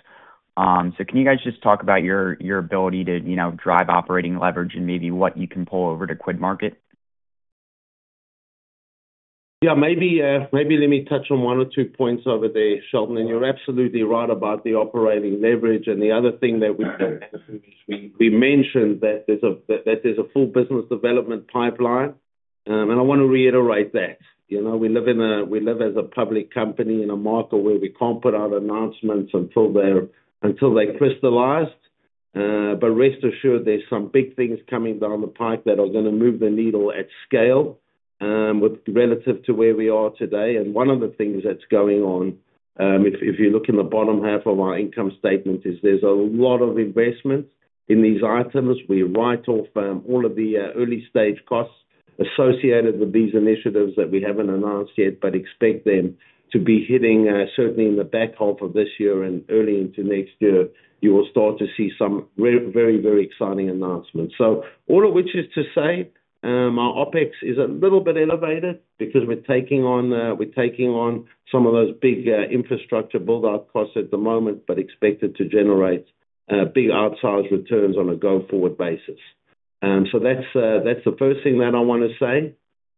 Can you guys just talk about your ability to drive operating leverage and maybe what you can pull over to QuidMarket? Yeah, maybe let me touch on one or two points over there, Sheldon. You're absolutely right about the operating leverage. The other thing that we mentioned is that there's a full business development pipeline. I want to reiterate that. We live as a public company in a market where we can't put out announcements until they're crystallized. Rest assured, there's some big things coming down the pike that are going to move the needle at scale relative to where we are today. One of the things that's going on, if you look in the bottom half of our income statement, is there's a lot of investment in these items. We write off all of the early-stage costs associated with these initiatives that we haven't announced yet, but expect them to be hitting certainly in the back half of this year and early into next year. You will start to see some very, very exciting announcements. All of which is to say our OpEx is a little bit elevated because we're taking on some of those big infrastructure build-out costs at the moment, but expected to generate big outsized returns on a go-forward basis. That's the first thing that I want to say.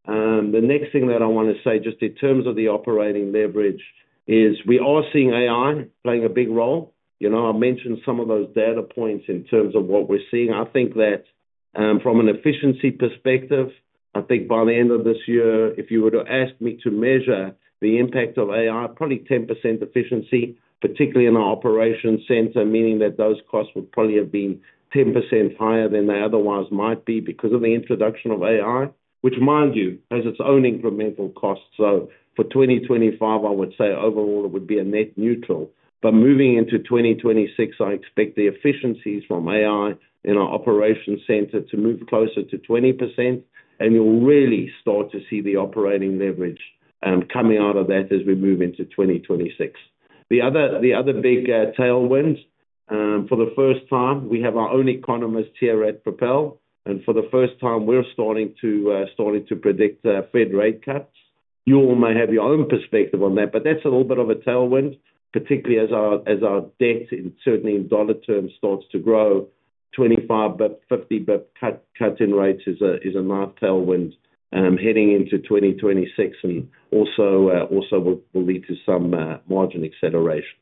The next thing that I want to say just in terms of the operating leverage is we are seeing AI playing a big role. I mentioned some of those data points in terms of what we're seeing. I think that from an efficiency perspective, I think by the end of this year, if you were to ask me to measure the impact of AI, probably 10% efficiency, particularly in our operations center, meaning that those costs would probably have been 10% higher than they otherwise might be because of the introduction of AI, which, mind you, has its own incremental costs. For 2025, I would say overall it would be a net neutral. Moving into 2026, I expect the efficiencies from AI in our operations center to move closer to 20%, and you'll really start to see the operating leverage coming out of that as we move into 2026. The other big tailwinds, for the first time, we have our own economist here at Propel, and for the first time, we're starting to predict Fed rate cuts. You all may have your own perspective on that, but that's a little bit of a tailwind, particularly as our debt, certainly in dollar terms, starts to grow. 25-50 cut-in rates is a nice tailwind heading into 2026, and also will lead to some margin acceleration.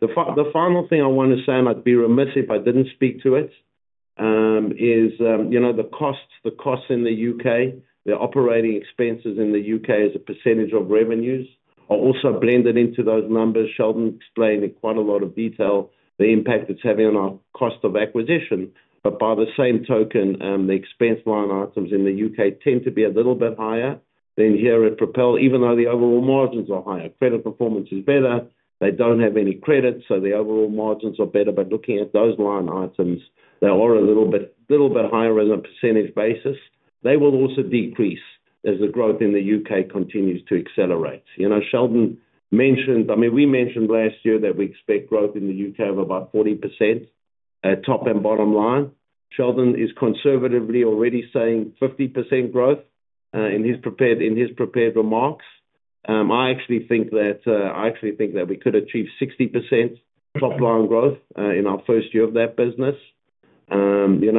The final thing I want to say, and I'd be remiss if I didn't speak to it, is the costs in the U.K., the operating expenses in the U.K. as a percentage of revenues, are also blended into those numbers. Sheldon explained in quite a lot of detail the impact it's having on our cost of acquisition. By the same token, the expense line items in the U.K. tend to be a little bit higher than here at Propel Holdings, even though the overall margins are higher. Credit performance is better. They don't have any credit, so the overall margins are better. Looking at those line items, they are a little bit higher on a percentage basis. They will also decrease as the growth in the U.K. continues to accelerate. Sheldon mentioned, I mean, we mentioned last year that we expect growth in the U.K. of about 40% at top and bottom line. Sheldon is conservatively already saying 50% growth in his prepared remarks. I actually think that we could achieve 60% top-line growth in our first year of that business.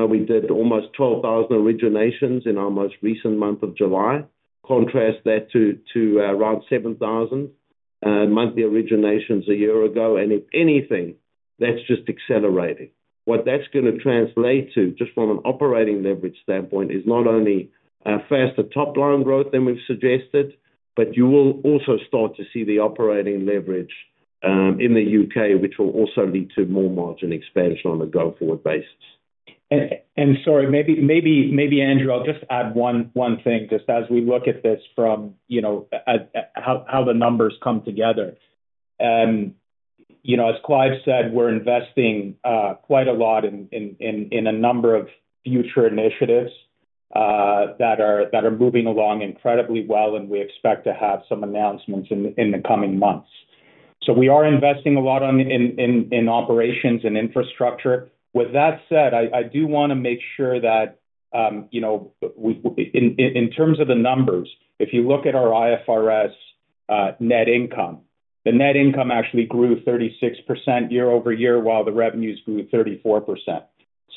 We did almost 12,000 originations in our most recent month of July. Contrast that to around 7,000 monthly originations a year ago, and if anything, that's just accelerating. What that's going to translate to, just from an operating leverage standpoint, is not only a faster top-line growth than we've suggested, but you will also start to see the operating leverage in the U.K., which will also lead to more margin expansion on a go-forward basis. Maybe, Andrew, I'll just add one thing, just as we look at this from how the numbers come together. As Clive said, we're investing quite a lot in a number of future initiatives that are moving along incredibly well, and we expect to have some announcements in the coming months. We are investing a lot in operations and infrastructure. With that said, I do want to make sure that in terms of the numbers, if you look at our IFRS net income, the net income actually grew 36% year-over-year while the revenues grew 34%.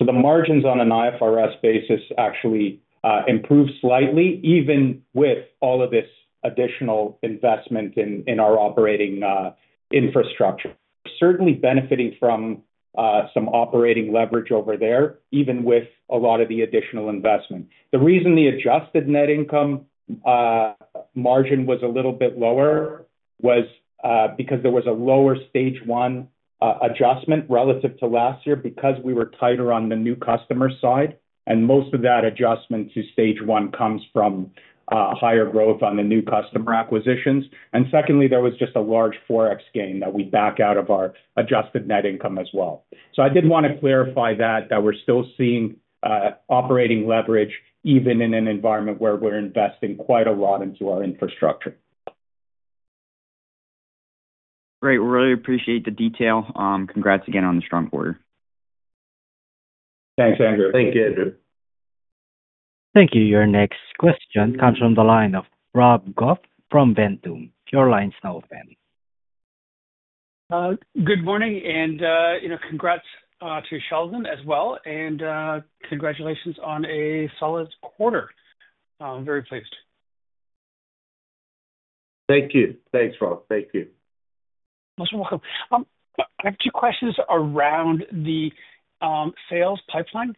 The margins on an IFRS basis actually improved slightly, even with all of this additional investment in our operating infrastructure. Certainly benefiting from some operating leverage over there, even with a lot of the additional investment. The reason the adjusted net income margin was a little bit lower was because there was a lower stage one adjustment relative to last year because we were tighter on the new customer side, and most of that adjustment to stage one comes from higher growth on the new customer acquisitions. Secondly, there was just a large Forex gain that we back out of our adjusted net income as well. I did want to clarify that we're still seeing operating leverage even in an environment where we're investing quite a lot into our infrastructure. Great. We really appreciate the detail. Congrats again on the strong quarter. Thanks, Andrew. Thank you, Andrew. Thank you. Your next question comes from the line of Rob Goff from Ventum. Your line is now open. Good morning, and congrats to Sheldon as well, and congratulations on a solid quarter. I'm very pleased. Thank you. Thanks, Rob. Thank you. Most welcome. I have two questions around the sales pipeline.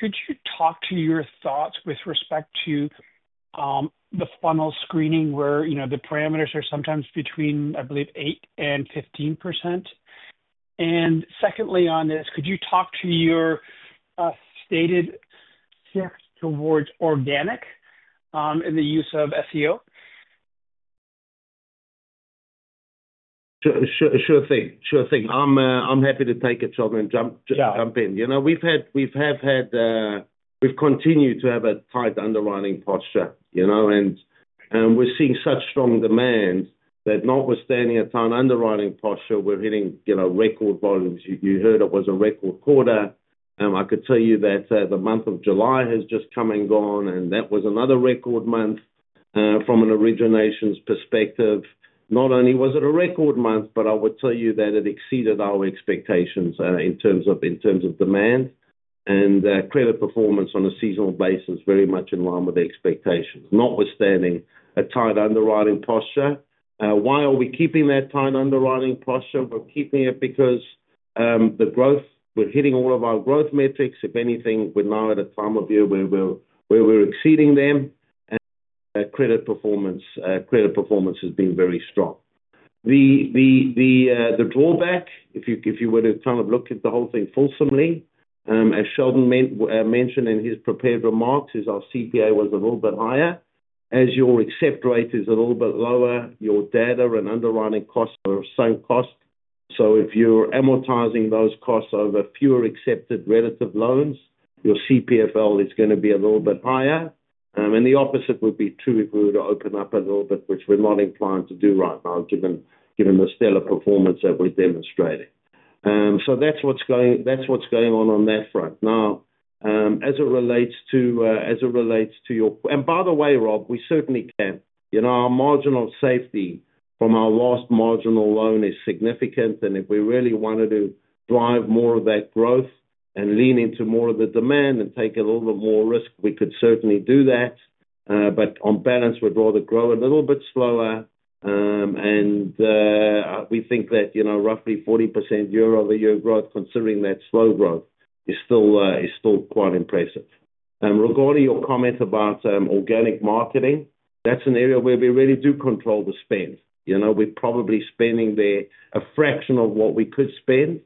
Could you talk to your thoughts with respect to the funnel screening where, you know, the parameters are sometimes between, I believe, 8% and 15%? Secondly, on this, could you talk to your stated shift towards organic in the use of SEO? Sure thing. I'm happy to take it, Sheldon, and just jump in. We've continued to have a tight underwriting posture, and we're seeing such strong demand that notwithstanding a tight underwriting posture, we're hitting record volumes. You heard it was a record quarter. I could tell you that the month of July has just come and gone, and that was another record month from an originations perspective. Not only was it a record month, but I would tell you that it exceeded our expectations in terms of demand and credit performance on a seasonal basis, very much in line with the expectations, notwithstanding a tight underwriting posture. Why are we keeping that tight underwriting posture? We're keeping it because the growth, we're hitting all of our growth metrics. If anything, we're now at a time of year where we're exceeding them, and credit performance has been very strong. The drawback, if you were to kind of look at the whole thing fulsomely, as Sheldon mentioned in his prepared remarks, is our CPA was a little bit higher. As your accept rate is a little bit lower, your data and underwriting costs are the same cost. If you're amortizing those costs over fewer accepted relative loans, your CPFL is going to be a little bit higher. The opposite would be true if we were to open up a little bit, which we're not inclined to do right now, given the stellar performance that we've demonstrated. That's what's going on on that front. Now, as it relates to your, and by the way, Rob, we certainly can. Our marginal safety from our last marginal loan is significant, and if we really wanted to drive more of that growth and lean into more of the demand and take a little bit more risk, we could certainly do that. On balance, we'd rather grow a little bit slower, and we think that roughly 40% year-over-year growth, considering that slow growth, is still quite impressive. Regarding your comment about organic marketing, that's an area where we really do control the spend. We're probably spending there a fraction of what we could spend,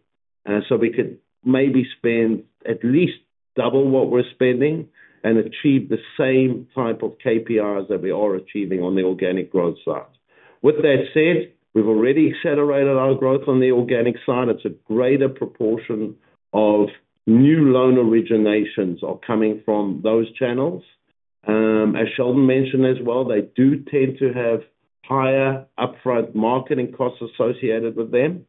and we could maybe spend at least double what we're spending and achieve the same type of KPIs that we are achieving on the organic growth side. With that said, we've already accelerated our growth on the organic side. A greater proportion of new loan originations are coming from those channels. As Sheldon mentioned as well, they do tend to have higher upfront marketing costs associated with them.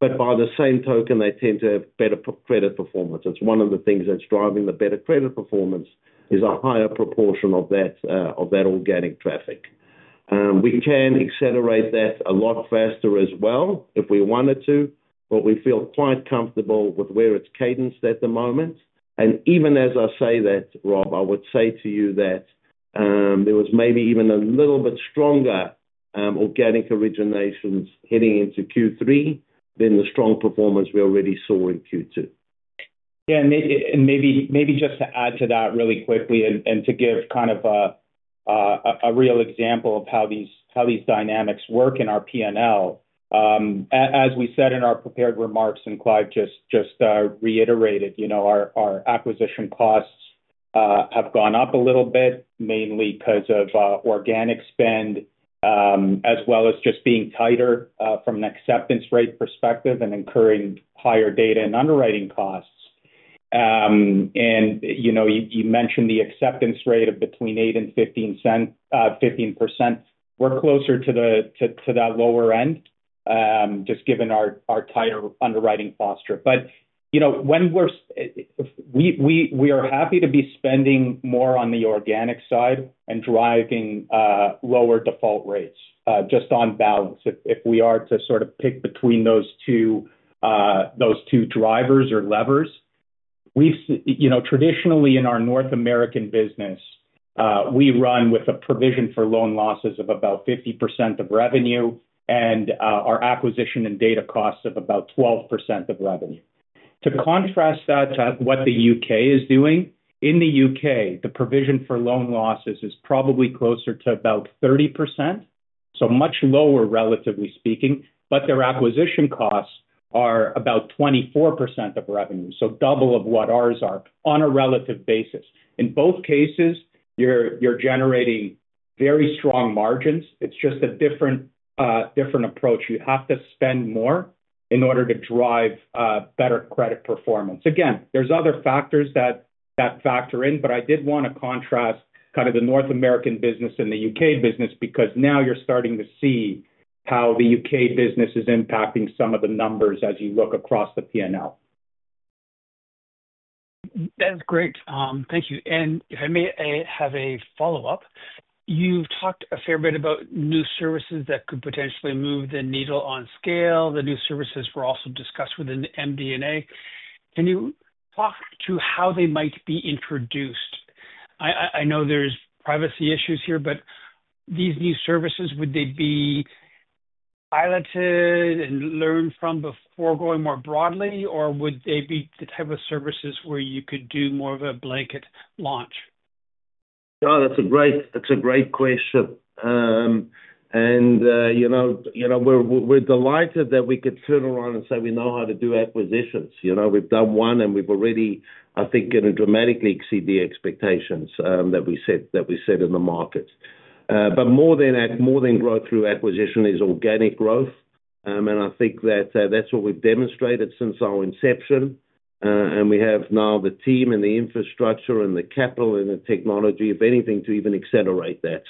By the same token, they tend to have better credit performance. One of the things that's driving the better credit performance is a higher proportion of that organic traffic. We can accelerate that a lot faster as well if we wanted to, but we feel quite comfortable with where it's cadenced at the moment. Even as I say that, Rob, I would say to you that there was maybe even a little bit stronger organic originations heading into Q3 than the strong performance we already saw in Q2. Yeah, maybe just to add to that really quickly and to give kind of a real example of how these dynamics work in our P&L, as we said in our prepared remarks and Clive just reiterated, our acquisition costs have gone up a little bit, mainly because of organic spend, as well as just being tighter from an acceptance rate perspective and incurring higher data and underwriting costs. You mentioned the acceptance rate of between 8% and 15%. We're closer to that lower end, just given our tighter underwriting posture. We are happy to be spending more on the organic side and driving lower default rates, just on balance. If we are to sort of pick between those two drivers or levers, traditionally in our North American business, we run with a provision for loan losses of about 50% of revenue and our acquisition and data costs of about 12% of revenue. To contrast that to what the U.K. is doing, in the U.K., the provision for loan losses is probably closer to about 30%, so much lower relatively speaking, but their acquisition costs are about 24% of revenue, so double what ours are on a relative basis. In both cases, you're generating very strong margins. It's just a different approach. You have to spend more in order to drive better credit performance. There are other factors that factor in, but I did want to contrast kind of the North American business and the U.K. business because now you're starting to see how the U.K. business is impacting some of the numbers as you look across the P&L. That is great. Thank you. Let me have a follow-up. You've talked a fair bit about new services that could potentially move the needle on scale. The new services were also discussed within the MDNA. Can you talk to how they might be introduced? I know there's privacy issues here, but these new services, would they be piloted and learned from before going more broadly, or would they be the type of services where you could do more of a blanket launch? Oh, that's a great question. We're delighted that we could turn around and say we know how to do acquisitions. We've done one and we've already, I think, dramatically exceeded the expectations that we set in the markets. More than growth through acquisition is organic growth, and I think that that's what we've demonstrated since our inception. We have now the team and the infrastructure and the capital and the technology of anything to even accelerate that.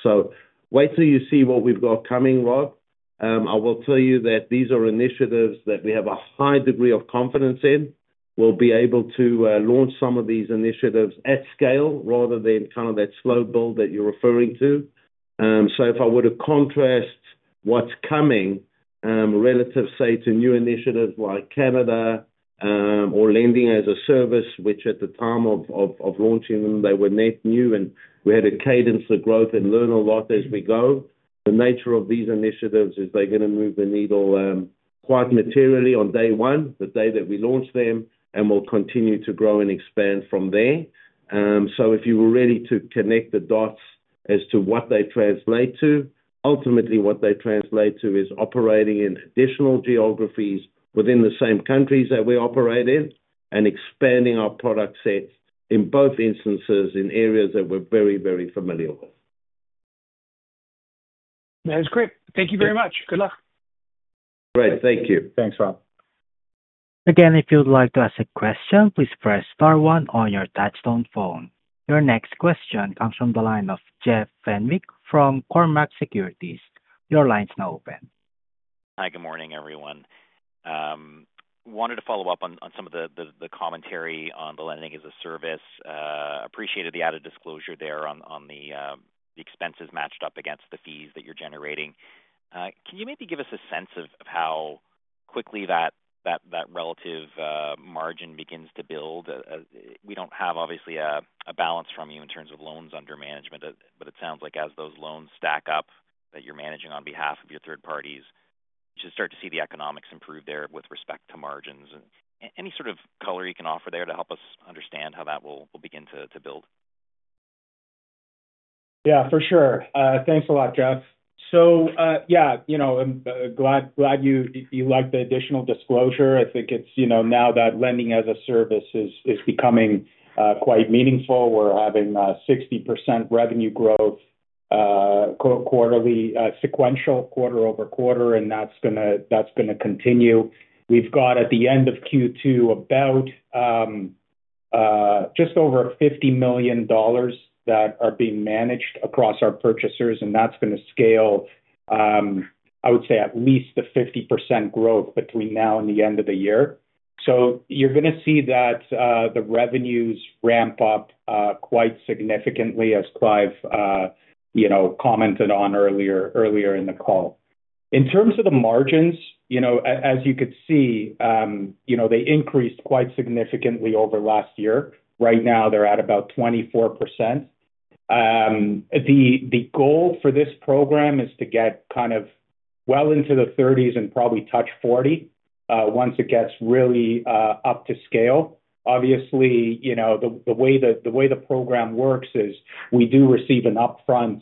Wait till you see what we've got coming, Rob. I will tell you that these are initiatives that we have a high degree of confidence in. We'll be able to launch some of these initiatives at scale rather than kind of that slow build that you're referring to. If I were to contrast what's coming relative, say, to new initiatives like Canada or lending-as-a-service, which at the time of launching them, they were net new and we had to cadence the growth and learn a lot as we go, the nature of these initiatives is they're going to move the needle quite materially on day one, the day that we launch them, and we'll continue to grow and expand from there. If you were ready to connect the dots as to what they translate to, ultimately what they translate to is operating in additional geographies within the same countries that we operate in and expanding our product sets in both instances in areas that we're very, very familiar with. That is great. Thank you very much. Good luck. Great, thank you. Thanks, Rob. Again, if you'd like to ask a question, please press star one on your touch-tone phone. Your next question comes from the line of Jeff Fenwick from Cormark Securities. Your line is now open. Hi, good morning everyone. Wanted to follow up on some of the commentary on the lending-as-a-service. Appreciated the added disclosure there on the expenses matched up against the fees that you're generating. Can you maybe give us a sense of how quickly that relative margin begins to build? We don't have obviously a balance from you in terms of loans under management, but it sounds like as those loans stack up that you're managing on behalf of your third parties, you should start to see the economics improve there with respect to margins. Any sort of color you can offer there to help us understand how that will begin to build? Yeah, for sure. Thanks a lot, Jeff. I'm glad you liked the additional disclosure. I think it's, now that the lending-as-a-service program is becoming quite meaningful. We're having 60% revenue growth quarterly, sequential quarter over quarter, and that's going to continue. We've got at the end of Q2 just over 50 million dollars that are being managed across our purchasers, and that's going to scale, I would say, at least the 50% growth between now and the end of the year. You're going to see that the revenues ramp up quite significantly as Clive, you know, commented on earlier in the call. In terms of the margins, as you could see, they increased quite significantly over last year. Right now, they're at about 24%. The goal for this program is to get kind of well into the 30%s and probably touch 40% once it gets really up to scale. Obviously, the way the program works is we do receive an upfront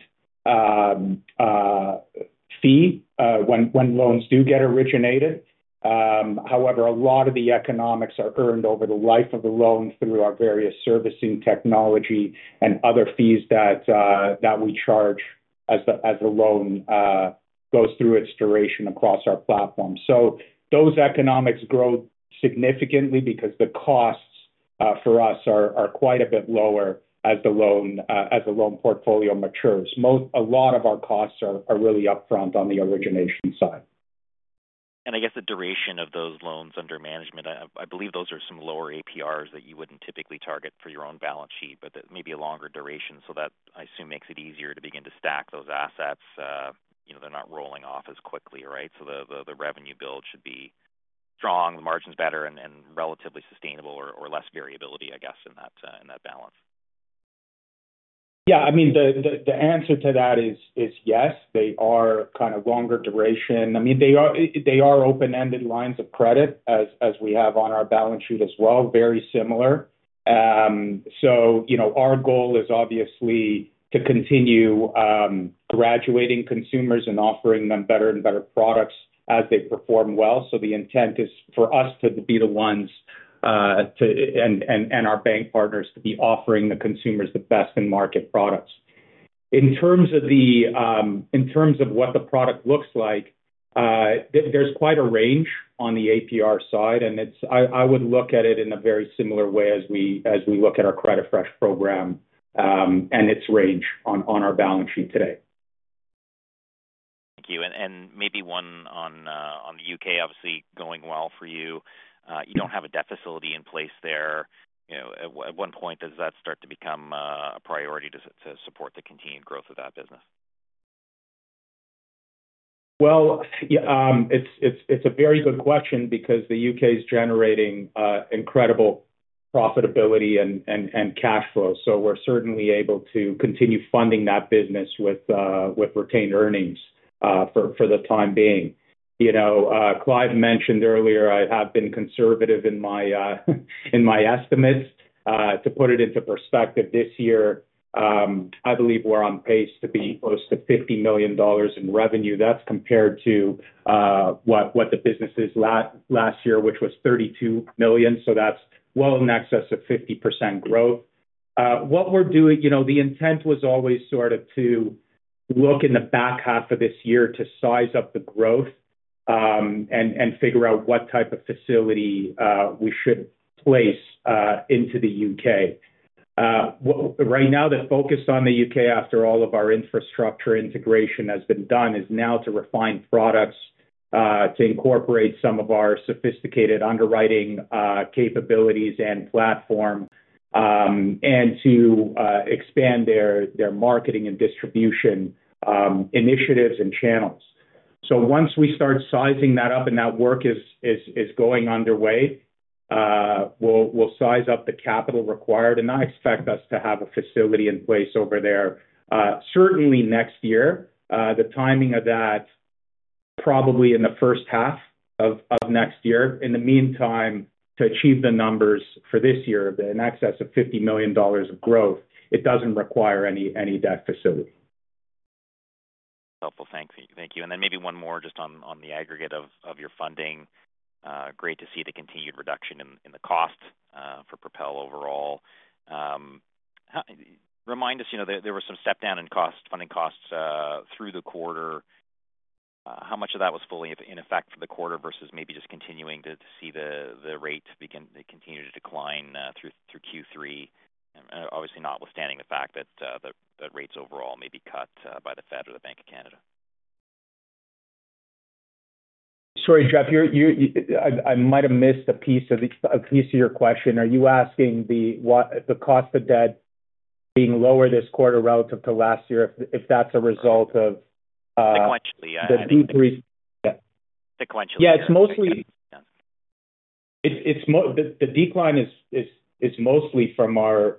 fee when loans do get originated. However, a lot of the economics are earned over the life of the loan through our various servicing technology and other fees that we charge as the loan goes through its duration across our platform. Those economics grow significantly because the costs for us are quite a bit lower as the loan portfolio matures. A lot of our costs are really upfront on the origination side. I guess the duration of those loans under management, I believe those are some lower APRs that you wouldn't typically target for your own balance sheet, but maybe a longer duration. That, I assume, makes it easier to begin to stack those assets. You know, they're not rolling off as quickly, right? The revenue build should be strong, the margins better, and relatively sustainable or less variability, I guess, in that balance. Yeah, I mean, the answer to that is yes, they are kind of longer duration. They are open-ended lines of credit as we have on our balance sheet as well, very similar. Our goal is obviously to continue graduating consumers and offering them better and better products as they perform well. The intent is for us to be the ones and our bank partners to be offering the consumers the best in market products. In terms of what the product looks like, there's quite a range on the APR side, and I would look at it in a very similar way as we look at our CreditFresh program and its range on our balance sheet today. Thank you. Maybe one on the U.K., obviously going well for you. You don't have a debt facility in place there. At what point does that start to become a priority to support the continued growth of that business? It's a very good question because the U.K. is generating incredible profitability and cash flow. We're certainly able to continue funding that business with retained earnings for the time being. Clive mentioned earlier, I have been conservative in my estimates. To put it into perspective, this year, I believe we're on pace to be close to 50 million dollars in revenue. That's compared to what the business is last year, which was 32 million. That's well in excess of 50% growth. What we're doing, the intent was always sort of to look in the back half of this year to size up the growth and figure out what type of facility we should place into the U.K.. Right now, the focus on the U.K. after all of our infrastructure integration has been done is now to refine products, to incorporate some of our sophisticated underwriting capabilities and platform, and to expand their marketing and distribution initiatives and channels. Once we start sizing that up and that work is going underway, we'll size up the capital required and I expect us to have a facility in place over there. Certainly next year, the timing of that probably in the first half of next year. In the meantime, to achieve the numbers for this year in excess of 50 million dollars of growth, it doesn't require any debt facility. Helpful. Thanks. Thank you. Maybe one more just on the aggregate of your funding. Great to see the continued reduction in the cost for Propel overall. Remind us, you know, there were some step-down in funding costs through the quarter. How much of that was fully in effect for the quarter versus maybe just continuing to see the rate continue to decline through Q3? Obviously, Notwithstanding the fact that the rates overall may be cut by the Fed or the Bank of Canada. Sorry to interrupt here. I might have missed a piece of your question. Are you asking the cost of debt being lower this quarter relative to last year if that's a result of the decrease? Sequentially. Yeah, it's mostly. The decline is mostly from our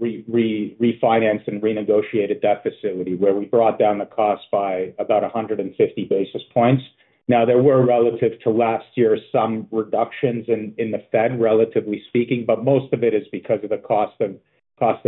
refinanced and renegotiated debt facility, where we brought down the cost by about 150 basis points. Now, there were, relative to last year, some reductions in the Fed, relatively speaking, but most of it is because of the cost of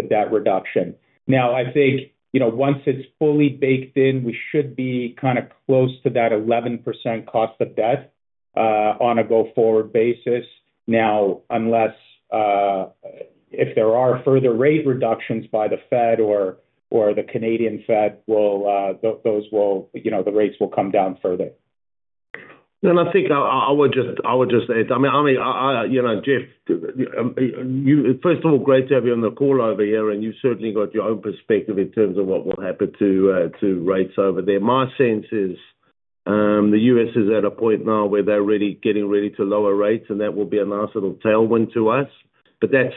debt reduction. I think, once it's fully baked in, we should be kind of close to that 11% cost of debt on a go-forward basis. Unless there are further rate reductions by the Fed or the Canadian Fed, those will, you know, the rates will come down further. I would just add, Jeff, first of all, great to have you on the call over here, and you've certainly got your own perspective in terms of what will happen to rates over there. My sense is the U.S. is at a point now where they're really getting ready to lower rates, and that will be a nice little tailwind to us. That's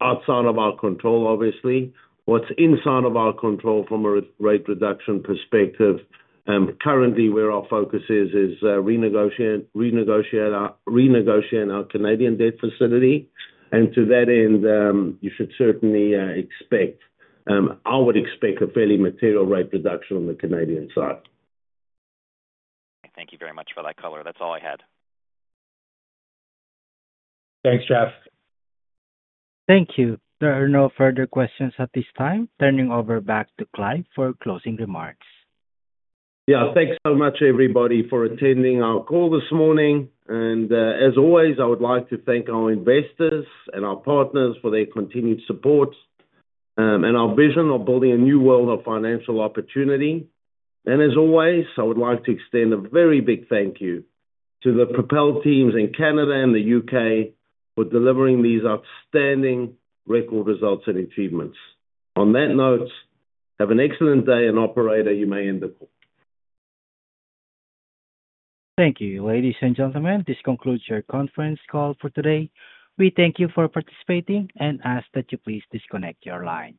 outside of our control, obviously. What's inside of our control from a rate reduction perspective, currently where our focus is, is renegotiating our Canadian debt facility. To that end, you should certainly expect, I would expect, a fairly material rate reduction on the Canadian side. Thank you very much for that color. That's all I had. Thanks, Jeff. Thank you. There are no further questions at this time. Turning over back to Clive for closing remarks. Thank you so much, everybody, for attending our call this morning. I would like to thank our investors and our partners for their continued support and our vision of building a new world of financial opportunity. I would like to extend a very big thank you to the Propel teams in Canada and the U.K. for delivering these outstanding record results and achievements. On that note, have an excellent day and operate as you may endeavor. Thank you, ladies and gentlemen. This concludes your conference call for today. We thank you for participating and ask that you please disconnect your lines.